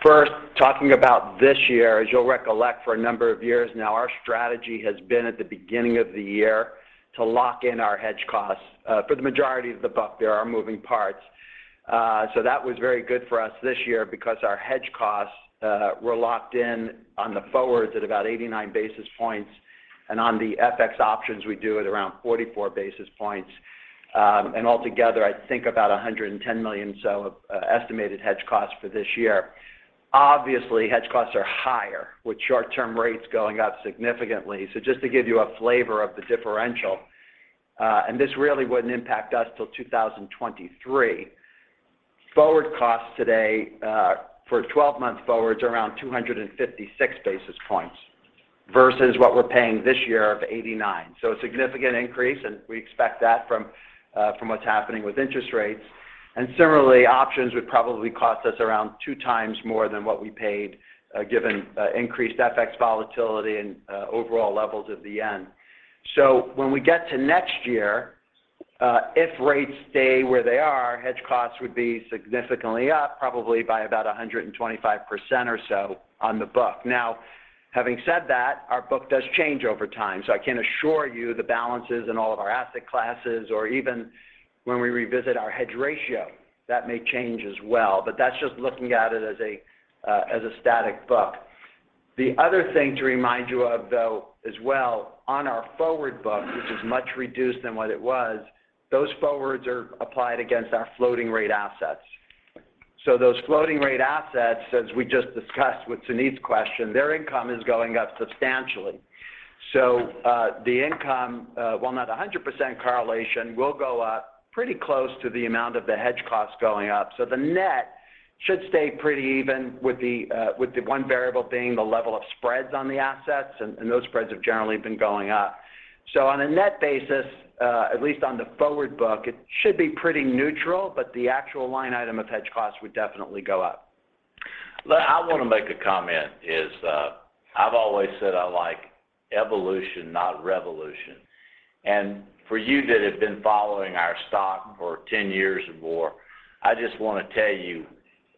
First, talking about this year, as you'll recollect for a number of years now, our strategy has been at the beginning of the year to lock in our hedge costs for the majority of the book. There are moving parts. That was very good for us this year because our hedge costs were locked in on the forwards at about 89 basis points and on the FX options we do at around 44 basis points. And altogether, I think about $110 million or so of estimated hedge costs for this year. Obviously, hedge costs are higher with short-term rates going up significantly. Just to give you a flavor of the differential, and this really wouldn't impact us till 2023. Forward costs today for 12-month forwards are around 256 basis points versus what we're paying this year of 89. A significant increase, and we expect that from what's happening with interest rates. Similarly, options would probably cost us around 2x more than what we paid, given increased FX volatility and overall levels of the yen. When we get to next year, if rates stay where they are, hedge costs would be significantly up probably by about 125% or so on the book. Now, having said that, our book does change over time, so I can't assure you the balances in all of our asset classes or even when we revisit our hedge ratio. That may change as well. But that's just looking at it as a static book. The other thing to remind you of though as well on our forward book, which is much reduced than what it was, those forwards are applied against our floating rate assets. So those floating rate assets, as we just discussed with Suneet's question, their income is going up substantially. So, the income, while not 100% correlation, will go up pretty close to the amount of the hedge costs going up. The net should stay pretty even with the one variable being the level of spreads on the assets and those spreads have generally been going up. On a net basis, at least on the forward book, it should be pretty neutral, but the actual line item of hedge costs would definitely go up. I want to make a comment. I've always said I like evolution, not revolution. For you that have been following our stock for 10 years or more, I just want to tell you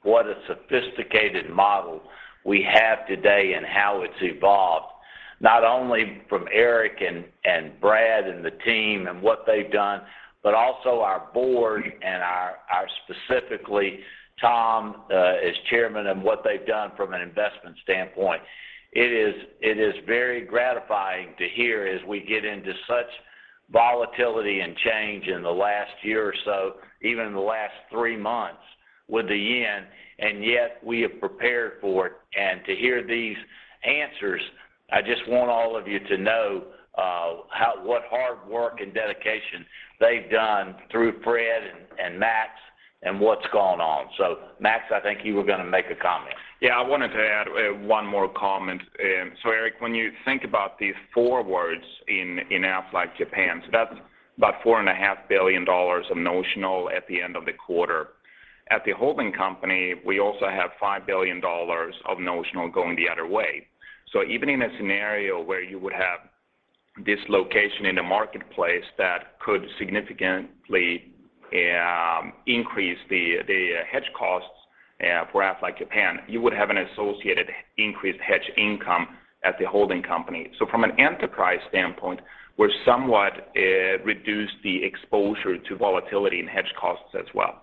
what a sophisticated model we have today and how it's evolved, not only from Eric and Brad and the team and what they've done, but also our board and our specifically Tom as chairman and what they've done from an investment standpoint. It is very gratifying to hear as we get into such volatility and change in the last year or so, even in the last three months with the yen, and yet we have prepared for it. To hear these answers, I just want all of you to know what hard work and dedication they've done through Fred and Max and what's gone on. Max, I think you were going to make a comment. Yeah. I wanted to add one more comment. Eric, when you think about these forwards in Aflac Japan, that's about $4.5 billion of notional at the end of the quarter. At the holding company, we also have $5 billion of notional going the other way. Even in a scenario where you would have this dislocation in the marketplace that could significantly increase the hedge costs for Aflac Japan, you would have an associated increased hedge income at the holding company. From an enterprise standpoint, we're somewhat reduce the exposure to volatility and hedge costs as well.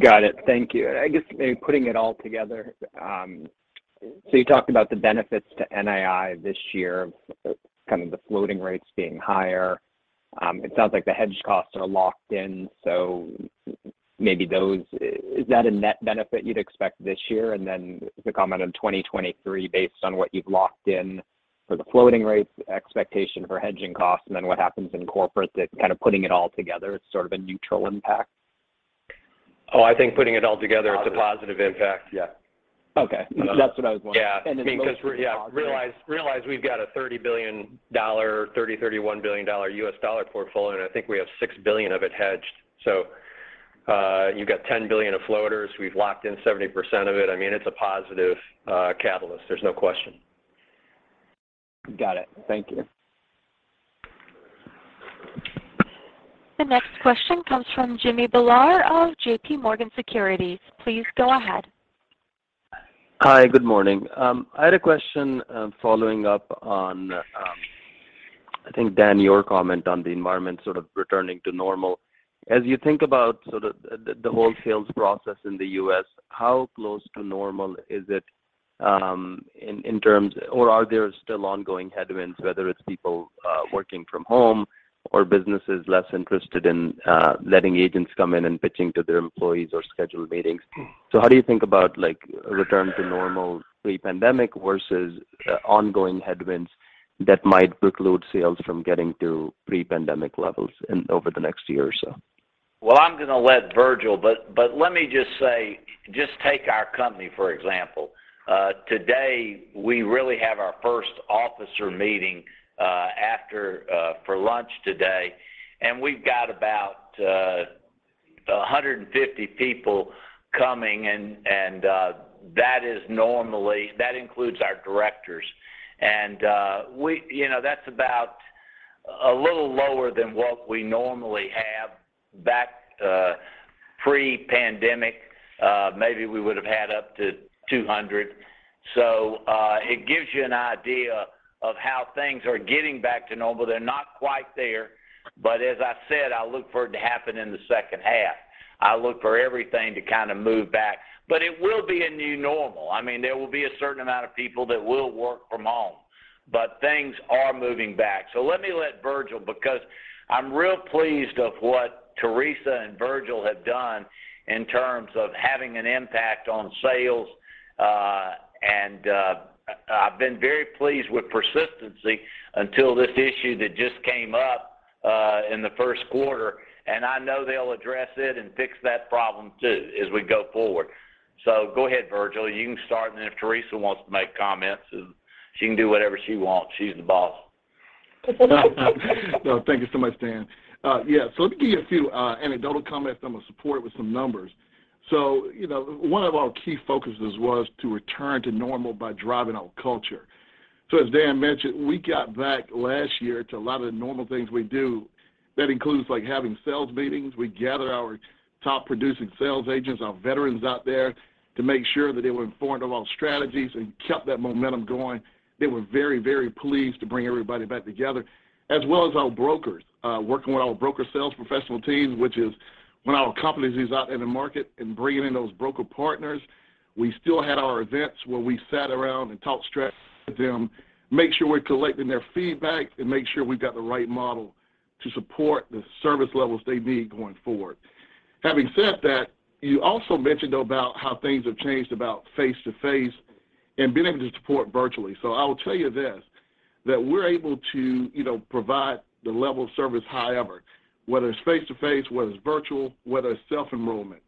Got it. Thank you. I guess maybe putting it all together, so you talked about the benefits to NII this year, kind of the floating rates being higher. It sounds like the hedge costs are locked in, so maybe those. Is that a net benefit you'd expect this year? Then the comment on 2023 based on what you've locked in for the floating rates expectation for hedging costs, and then what happens in corporate that kind of putting it all together, it's sort of a neutral impact. Oh, I think putting it all together, it's a positive impact. Yeah. Okay. That's what I was wondering. Realize we've got a $30 billion, $31 billion US dollar portfolio, and I think we have $6 billion of it hedged. You've got $10 billion of floaters. We've locked in 70% of it. I mean, it's a positive catalyst. There's no question. Got it. Thank you. The next question comes from Jimmy Bhullar of J.P. Morgan Securities. Please go ahead. Hi, good morning. I had a question, following up on, I think, Dan, your comment on the environment sort of returning to normal. As you think about sort of the whole sales process in the U.S., how close to normal is it, or are there still ongoing headwinds, whether it's people working from home or businesses less interested in letting agents come in and pitching to their employees or schedule meetings? How do you think about, like, return to normal pre-pandemic versus ongoing headwinds that might preclude sales from getting to pre-pandemic levels over the next year or so? Let me just say, just take our company, for example. Today, we really have our first officer meeting for lunch today, and we've got about 150 people coming, and that normally includes our directors. You know, that's about a little lower than what we normally have back pre-pandemic. Maybe we would have had up to 200. It gives you an idea of how things are getting back to normal. They're not quite there, but as I said, I look for it to happen in the second half. I look for everything to kind of move back. It will be a new normal. I mean, there will be a certain amount of people that will work from home, but things are moving back. Let Virgil, because I'm real pleased with what Teresa and Virgil have done in terms of having an impact on sales. I've been very pleased with persistency until this issue that just came up in the first quarter, and I know they'll address it and fix that problem too as we go forward. Go ahead, Virgil. You can start, and if Teresa wants to make comments, she can do whatever she wants. She's the boss. No, thank you so much, Dan. Yeah. Let me give you a few anecdotal comments that I'm going to support with some numbers. You know, one of our key focuses was to return to normal by driving our culture. As Dan mentioned, we got back last year to a lot of the normal things we do. That includes, like, having sales meetings. We gather our top producing sales agents, our veterans out there to make sure that they were informed of all strategies and kept that momentum going. They were very, very pleased to bring everybody back together, as well as our brokers, working with our broker sales professional teams. Which is when our companies is out in the market and bringing in those broker partners, we still had our events where we sat around and talked strategy with them, make sure we're collecting their feedback, and make sure we've got the right model to support the service levels they need going forward. Having said that, you also mentioned about how things have changed about face-to-face and being able to support virtually. I will tell you this, that we're able to, you know, provide the level of service however, whether it's face-to-face, whether it's virtual, whether it's self-enrollment.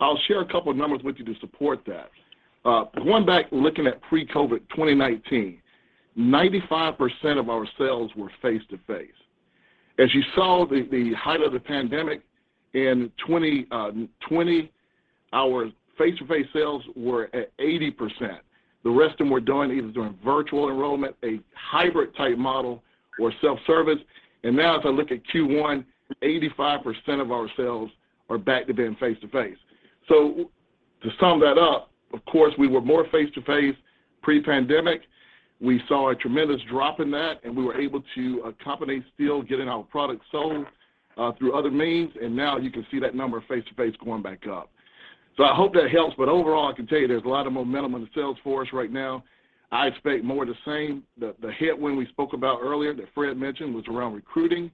I'll share a couple of numbers with you to support that. Going back, looking at pre-COVID 2019, 95% of our sales were face-to-face. As you saw the height of the pandemic in 2020, our face-to-face sales were at 80%. The rest of them were done either during virtual enrollment, a hybrid-type model, or self-service. Now as I look at Q1, 85% of our sales are back to being face-to-face. To sum that up, of course, we were more face-to-face pre-pandemic. We saw a tremendous drop in that, and we were able to accommodate still getting our products sold, through other means, and now you can see that number of face-to-face going back up. I hope that helps, but overall, I can tell you there's a lot of momentum in the sales force right now. I expect more of the same. The hit when we spoke about earlier that Fred mentioned was around recruiting.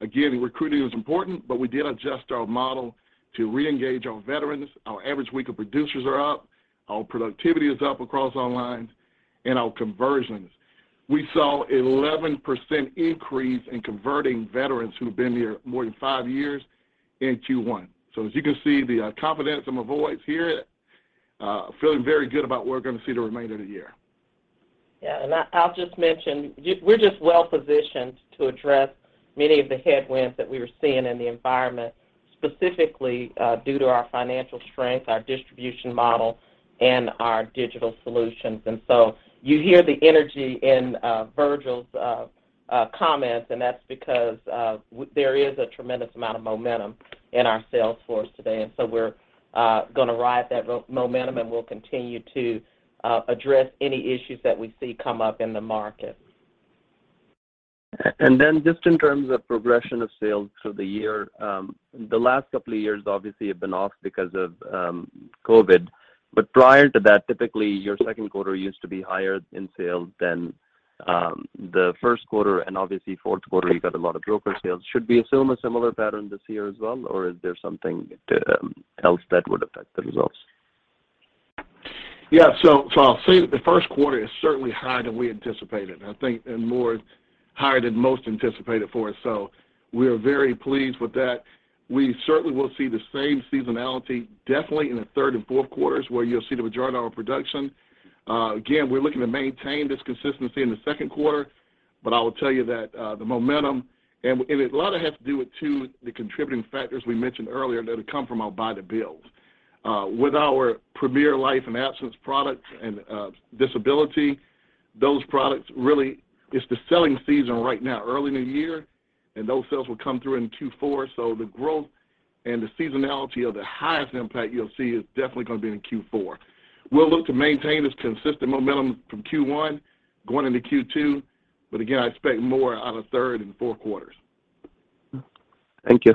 Again, recruiting is important, but we did adjust our model to reengage our veterans. Our average week of producers are up, our productivity is up across our lines, and our conversions. We saw 11% increase in converting veterans who have been here more than five years in Q1. As you can see, the confidence in my voice here, feeling very good about what we're going to see the remainder of the year. I'll just mention, we're just well-positioned to address many of the headwinds that we were seeing in the environment, specifically, due to our financial strength, our distribution model, and our digital solutions. You hear the energy in Virgil's comments, and that's because there is a tremendous amount of momentum in our sales force today. We're going to ride that momentum, and we'll continue to address any issues that we see come up in the market. Just in terms of progression of sales through the year, the last couple of years obviously have been off because of COVID-19. Prior to that, typically your second quarter used to be higher in sales than the first quarter, and obviously fourth quarter you got a lot of broker sales. Should we assume a similar pattern this year as well, or is there something else that would affect the results? Yeah. So, I'll say the first quarter is certainly higher than we anticipated, I think, and much higher than most anticipated for us. We're very pleased with that. We certainly will see the same seasonality, definitely in the third and fourth quarters, where you'll see the majority of our production. Again, we're looking to maintain this consistency in the second quarter, but I will tell you that the momentum and a lot of it has to do with, too, the contributing factors we mentioned earlier that have come from our buy-to-builds. With our Premier Life and Absence products and Disability, those products really it's the selling season right now, early in the year, and those sales will come through in Q4. The growth and the seasonality of the highest impact you'll see is definitely going to be in Q4. We'll look to maintain this consistent momentum from Q1 going into Q2, but again, I expect more out of third and fourth quarters. Thank you.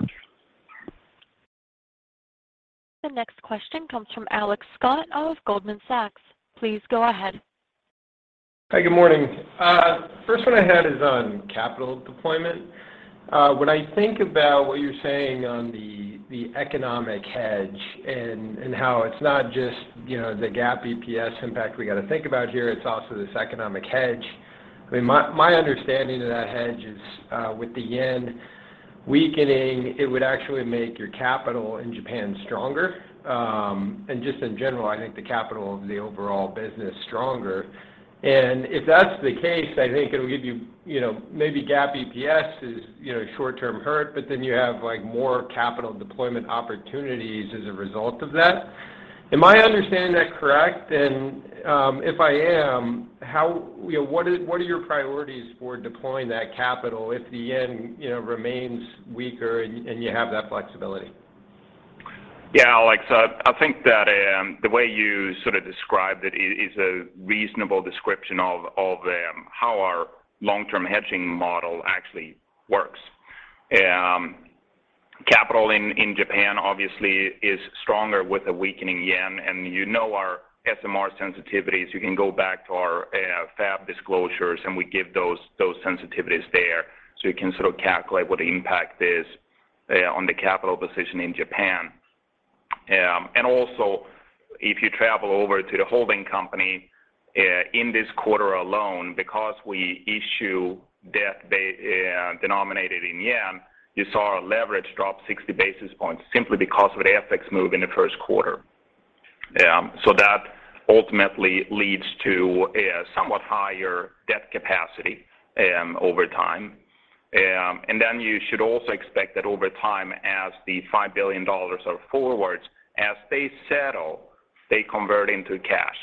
The next question comes from Alex Scott of Goldman Sachs. Please go ahead. Hi, good morning. First one I had is on capital deployment. When I think about what you're saying on the economic hedge and how it's not just, you know, the GAAP EPS impact we got to think about here, it's also this economic hedge. I mean, my understanding of that hedge is, with the yen weakening, it would actually make your capital in Japan stronger, and just in general, I think the capital of the overall business stronger. If that's the case, I think it'll give you know, maybe GAAP EPS is, you know, short-term hurt, but then you have, like, more capital deployment opportunities as a result of that. Am I understanding that correct? If I am, how... You know, what are your priorities for deploying that capital if the yen, you know, remains weaker and you have that flexibility? Yeah, Alex, I think that the way you sort of described it is a reasonable description of how our long-term hedging model actually works. Capital in Japan obviously is stronger with a weakening yen, and you know our SMR sensitivities. You can go back to our FAB disclosures, and we give those sensitivities there, so you can sort of calculate what the impact is on the capital position in Japan. Also, if you travel over to the holding company in this quarter alone, because we issue debt denominated in yen, you saw our leverage drop 60 basis points simply because of the FX move in the first quarter. That ultimately leads to a somewhat higher debt capacity over time. You should also expect that over time as the $5 billion of forwards, as they settle, they convert into cash.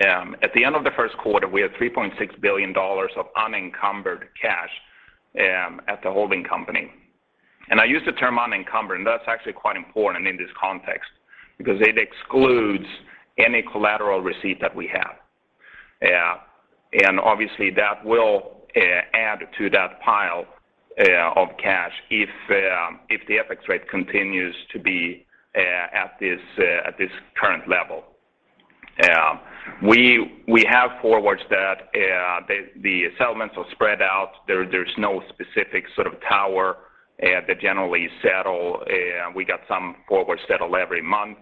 At the end of the first quarter, we had $3.6 billion of unencumbered cash at the holding company. I use the term unencumbered, that's actually quite important in this context because it excludes any collateral receipt that we have. Obviously, that will add to that pile of cash if the FX rate continues to be at this current level. We have forwards that the settlements are spread out. There's no specific sort of tower that generally settle. We got some forwards settled every month.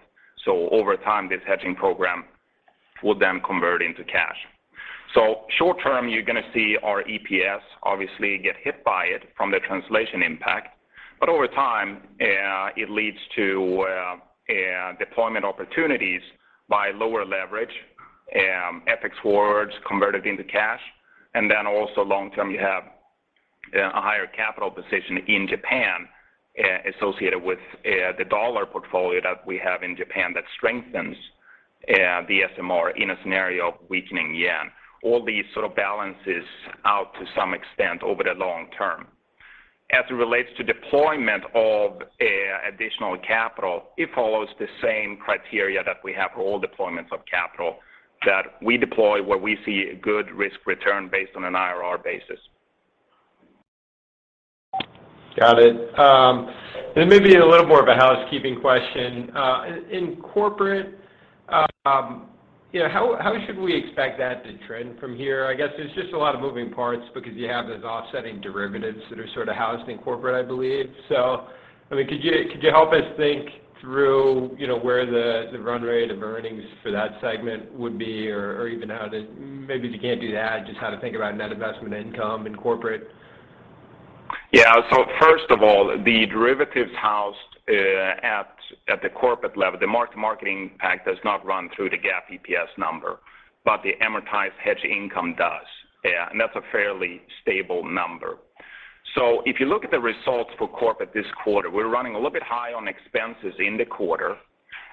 Over time, this hedging program will then convert into cash. Short-term, you're going to see our EPS obviously get hit by it from the translation impact. Over time, it leads to deployment opportunities by lower leverage, FX forwards converted into cash. Long-term, you have a higher capital position in Japan associated with the dollar portfolio that we have in Japan that strengthens the SMR in a scenario of weakening yen. All these sorts of balances out to some extent over the long term. As it relates to deployment of additional capital, it follows the same criteria that we have for all deployments of capital that we deploy where we see a good risk return based on an IRR basis. Got it. Maybe a little more of a housekeeping question. In Corporate, you know, how should we expect that to trend from here? I guess there's just a lot of moving parts because you have those offsetting derivatives that are sort of housed in Corporate, I believe. I mean, could you help us think through, you know, where the run rate of earnings for that segment would be? Maybe if you can't do that, just how to think about net investment income in Corporate. First of all, the derivatives housed at the corporate level, the mark-to-market impact does not run through the GAAP EPS number, but the amortized hedge income does. That's a fairly stable number. If you look at the results for corporate this quarter, we're running a little bit high on expenses in the quarter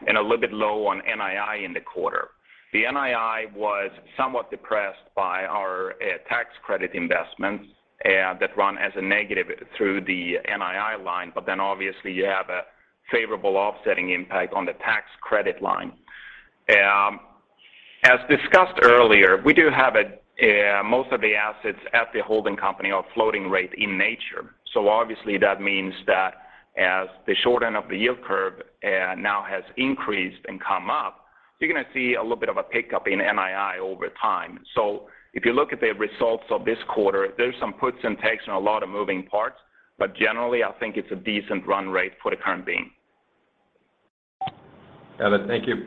and a little bit low on NII in the quarter. The NII was somewhat depressed by our tax credit investments that run as a negative through the NII line. Obviously, you have a favorable offsetting impact on the tax credit line. As discussed earlier, we do have most of the assets at the holding company are floating rate in nature. Obviously, that means that as the short end of the yield curve now has increased and come up, you're going to see a little bit of a pickup in NII over time. If you look at the results of this quarter, there's some puts and takes and a lot of moving parts. Generally, I think it's a decent run rate for the time being. Got it. Thank you.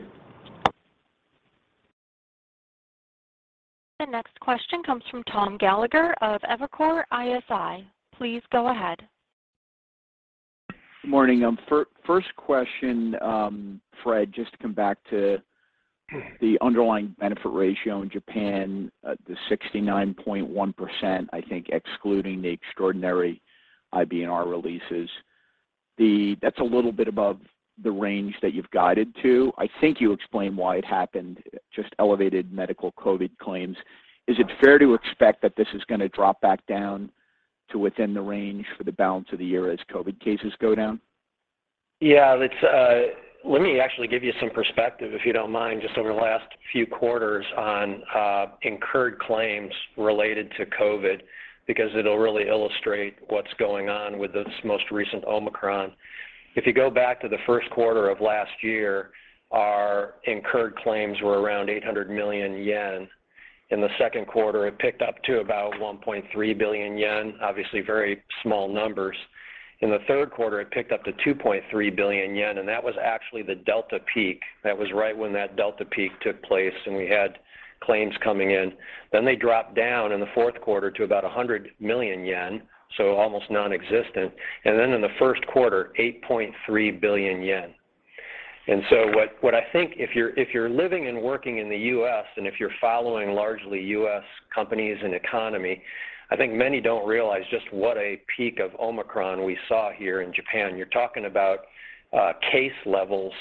The next question comes from Tom Gallagher of Evercore ISI. Please go ahead. Good morning. First question, Fred, just to come back to the underlying benefit ratio in Japan, the 69.1%, I think excluding the extraordinary IBNR releases. That's a little bit above the range that you've guided to. I think you explained why it happened, just elevated medical COVID claims. Is it fair to expect that this is going to drop back down to within the range for the balance of the year as COVID cases go down? Yeah. Let me actually give you some perspective, if you don't mind, just over the last few quarters on incurred claims related to COVID, because it'll really illustrate what's going on with this most recent Omicron. If you go back to the first quarter of last year, our incurred claims were around 800 million yen. In the second quarter, it picked up to about 1.3 billion yen, obviously very small numbers. In the third quarter, it picked up to 2.3 billion yen, and that was actually the Delta peak. That was right when that Delta peak took place, and we had claims coming in. Then they dropped down in the fourth quarter to about 100 million yen, so almost nonexistent. Then in the first quarter, 8.3 billion yen. What I think if you're living and working in the US, and if you're following largely U.S. companies and economy, I think many don't realize just what a peak of Omicron we saw here in Japan. You're talking about case levels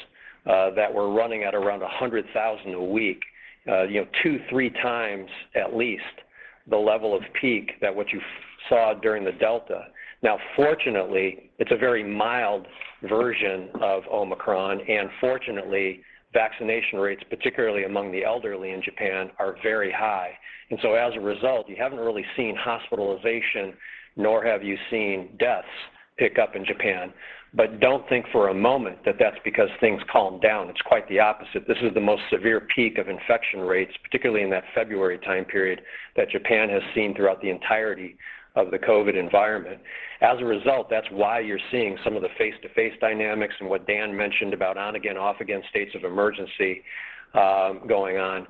that were running at around 100,000 a week, you know, 2-3x at least the level of peak that what you saw during the Delta. Now, fortunately, it's a very mild version of Omicron, and fortunately, vaccination rates, particularly among the elderly in Japan, are very high. As a result, you haven't really seen hospitalization, nor have you seen deaths pick up in Japan. But don't think for a moment that that's because things calmed down. It's quite the opposite. This is the most severe peak of infection rates, particularly in that February time period, that Japan has seen throughout the entirety of the COVID environment. As a result, that's why you're seeing some of the face-to-face dynamics and what Dan mentioned about on-again, off-again states of emergency going on.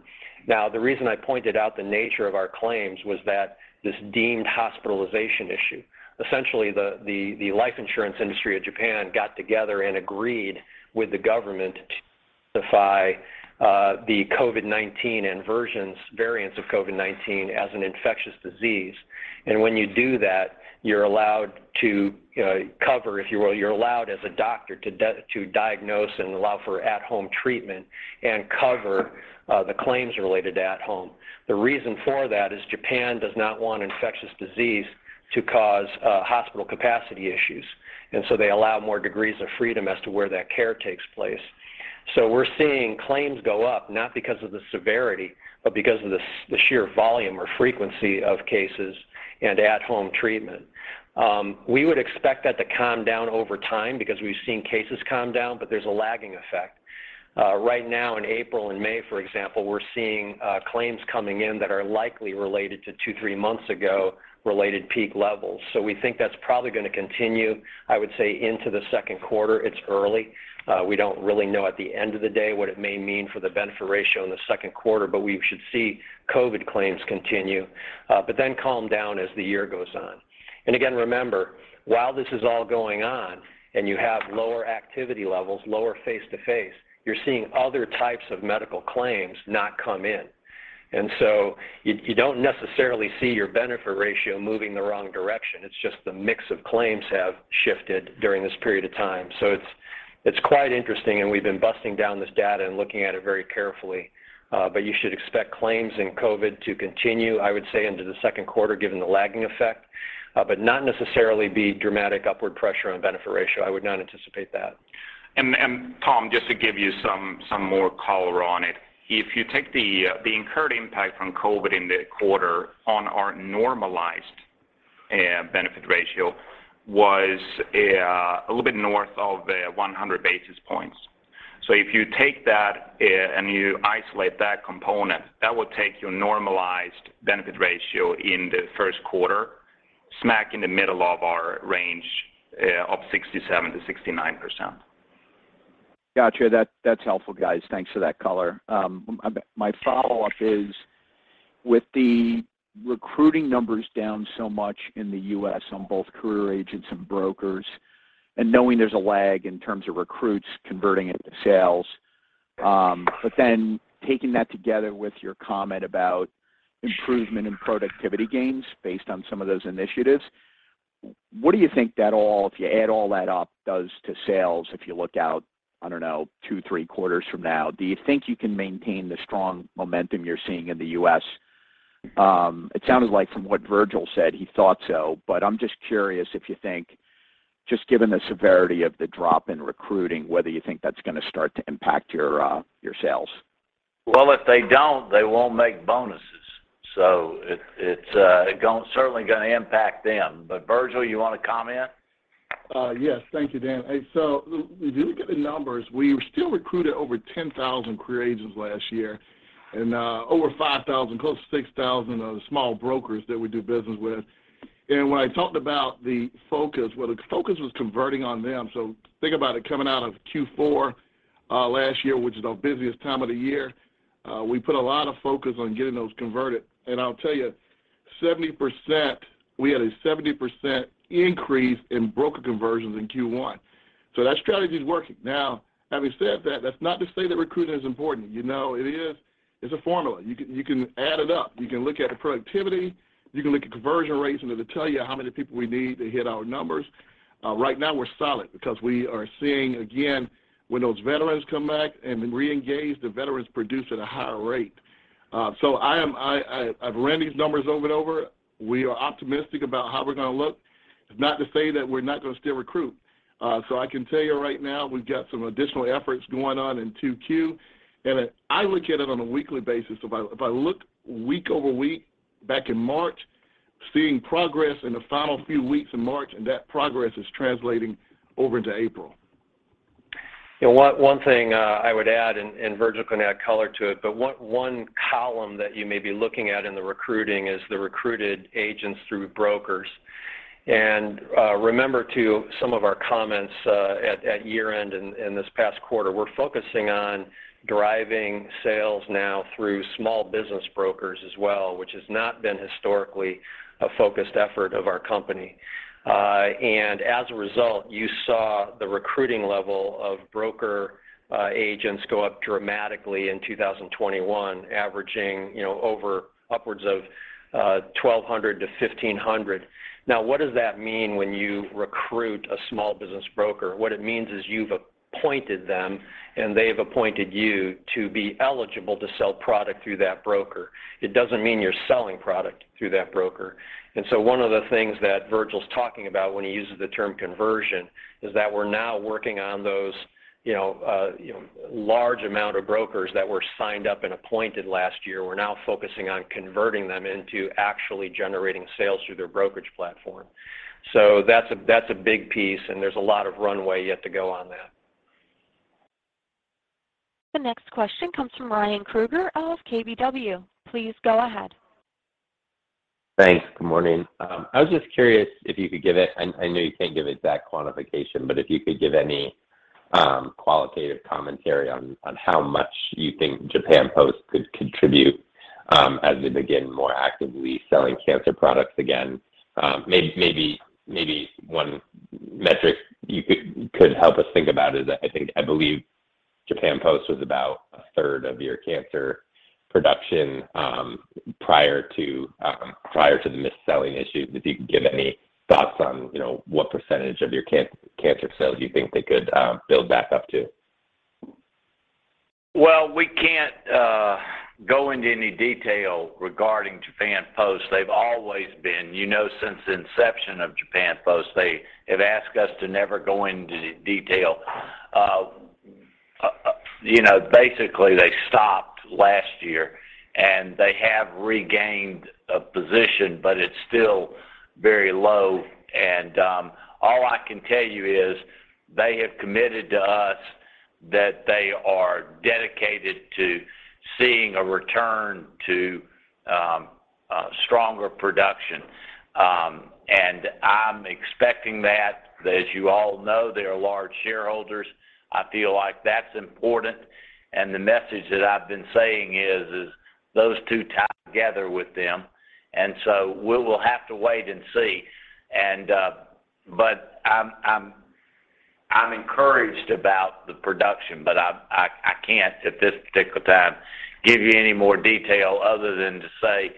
Now, the reason I pointed out the nature of our claims was that this deemed hospitalization issue. Essentially, the life insurance industry of Japan got together and agreed with the government to classify the COVID-19 and variants of COVID-19 as an infectious disease. When you do that, you're allowed to cover, if you will, you're allowed as a doctor to diagnose and allow for at-home treatment and cover the claims related to at home. The reason for that is Japan does not want infectious disease to cause hospital capacity issues. They allow more degrees of freedom as to where that care takes place. We're seeing claims go up not because of the severity, but because of the sheer volume or frequency of cases and at-home treatment. We would expect that to calm down over time because we've seen cases calm down, but there's a lagging effect. Right now, in April and May, for example, we're seeing claims coming in that are likely related to two, three months ago related peak levels. We think that's probably gonna continue, I would say, into the second quarter. It's early. We don't really know at the end of the day what it may mean for the benefit ratio in the second quarter, but we should see COVID claims continue, but then calm down as the year goes on. Again, remember, while this is all going on and you have lower activity levels, lower face-to-face, you're seeing other types of medical claims not come in. You don't necessarily see your benefit ratio moving the wrong direction. It's just the mix of claims have shifted during this period of time. It's quite interesting, and we've been breaking down this data and looking at it very carefully. You should expect COVID claims to continue, I would say, into the second quarter, given the lagging effect, but not necessarily be dramatic upward pressure on benefit ratio. I would not anticipate that. Tom, just to give you some more color on it. If you take the incurred impact from COVID in the quarter on our normalized benefit ratio was a little bit north of 100 basis points. If you take that and you isolate that component, that will take your normalized benefit ratio in the first quarter smack in the middle of our range of 67%-69%. Gotcha. That's helpful, guys. Thanks for that color. My follow-up is with the recruiting numbers down so much in the U.S. on both career agents and brokers and knowing there's a lag in terms of recruits converting into sales, but then taking that together with your comment about improvement in productivity gains based on some of those initiatives, what do you think that all, if you add all that up, does to sales, if you look out, I don't know, 2, 3 quarters from now? Do you think you can maintain the strong momentum you're seeing in the U.S.? It sounded like from what Virgil said, he thought so, but I'm just curious if you think, just given the severity of the drop in recruiting, whether you think that's gonna start to impact your sales. Well, if they don't, they won't make bonuses. It's certainly gonna impact them. Virgil, you wanna comment? Yes. Thank you, Dan. If you look at the numbers, we still recruited over 10,000 career agents last year and over 5,000, close to 6,000 of the small brokers that we do business with. When I talked about the focus, well, the focus was converting on them. Think about it coming out of Q4 last year, which is our busiest time of the year, we put a lot of focus on getting those converted. I'll tell you, 70%, we had a 70% increase in broker conversions in Q1. That strategy is working. Now, having said that's not to say that recruiting is important. You know, it is. It's a formula. You can add it up. You can look at the productivity, you can look at conversion rates, and it'll tell you how many people we need to hit our numbers. Right now, we're solid because we are seeing, again, when those veterans come back and reengage, the veterans produce at a higher rate. I've ran these numbers over and over. We are optimistic about how we're gonna look. It's not to say that we're not gonna still recruit. I can tell you right now, we've got some additional efforts going on in 2Q. I look at it on a weekly basis. If I look week-over-week back in March, seeing progress in the final few weeks of March, and that progress is translating over into April. One thing I would add, and Virgil can add color to it, but one column that you may be looking at in the recruiting is the recruited agents through brokers. Remember to some of our comments at year-end in this past quarter, we're focusing on driving sales now through small business brokers as well, which has not been historically a focused effort of our company. And as a result, you saw the recruiting level of broker agents go up dramatically in 2021, averaging, you know, over upwards of 1,200-1,500. Now, what does that mean when you recruit a small business broker? What it means is you've appointed them and they've appointed you to be eligible to sell product through that broker. It doesn't mean you're selling product through that broker. One of the things that Virgil is talking about when he uses the term conversion is that we're now working on those, you know, large amount of brokers that were signed up and appointed last year. We're now focusing on converting them into actually generating sales through their brokerage platform. That's a big piece, and there's a lot of runway yet to go on that. The next question comes from Ryan Krueger of KBW. Please go ahead. Thanks. Good morning. I was just curious if you could give it. I know you can't give exact quantification, but if you could give any qualitative commentary on how much you think Japan Post could contribute as they begin more actively selling cancer products again. Maybe one metric you could help us think about is, I think, I believe Japan Post was about 1/3 of your cancer production prior to the mis-selling issue. If you could give any thoughts on, you know, what percentage of your cancer sales you think they could build back up to. Well, we can't go into any detail regarding Japan Post. They've always been, you know, since the inception of Japan Post, they have asked us to never go into detail. You know, basically, they stopped last year, and they have regained a position, but it's still very low. All I can tell you is they have committed to us that they are dedicated to seeing a return to stronger production. I'm expecting that. As you all know, they are large shareholders. I feel like that's important. The message that I've been saying is those two tie together with them. We will have to wait and see. I'm encouraged about the production, but I can't, at this particular time, give you any more detail other than to say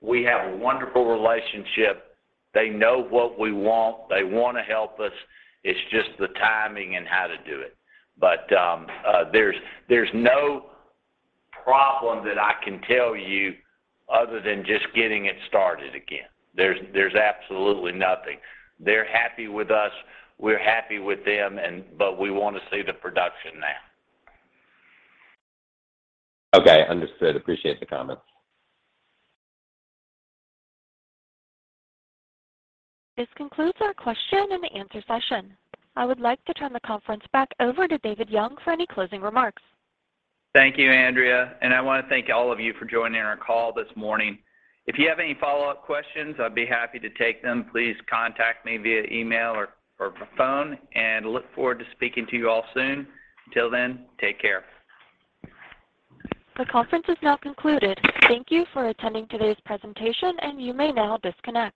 we have a wonderful relationship. They know what we want. They want to help us. It's just the timing and how to do it. There's no problem that I can tell you other than just getting it started again. There's absolutely nothing. They're happy with us, we're happy with them, and but we wanna see the production now. Okay, understood. Appreciate the comments. This concludes our question-and-answer session. I would like to turn the conference back over to David Young for any closing remarks. Thank you, Andrea, and I want to thank all of you for joining our call this morning. If you have any follow-up questions, I'd be happy to take them. Please contact me via email or phone and look forward to speaking to you all soon. Until then, take care. The conference is now concluded. Thank you for attending today's presentation, and you may now disconnect.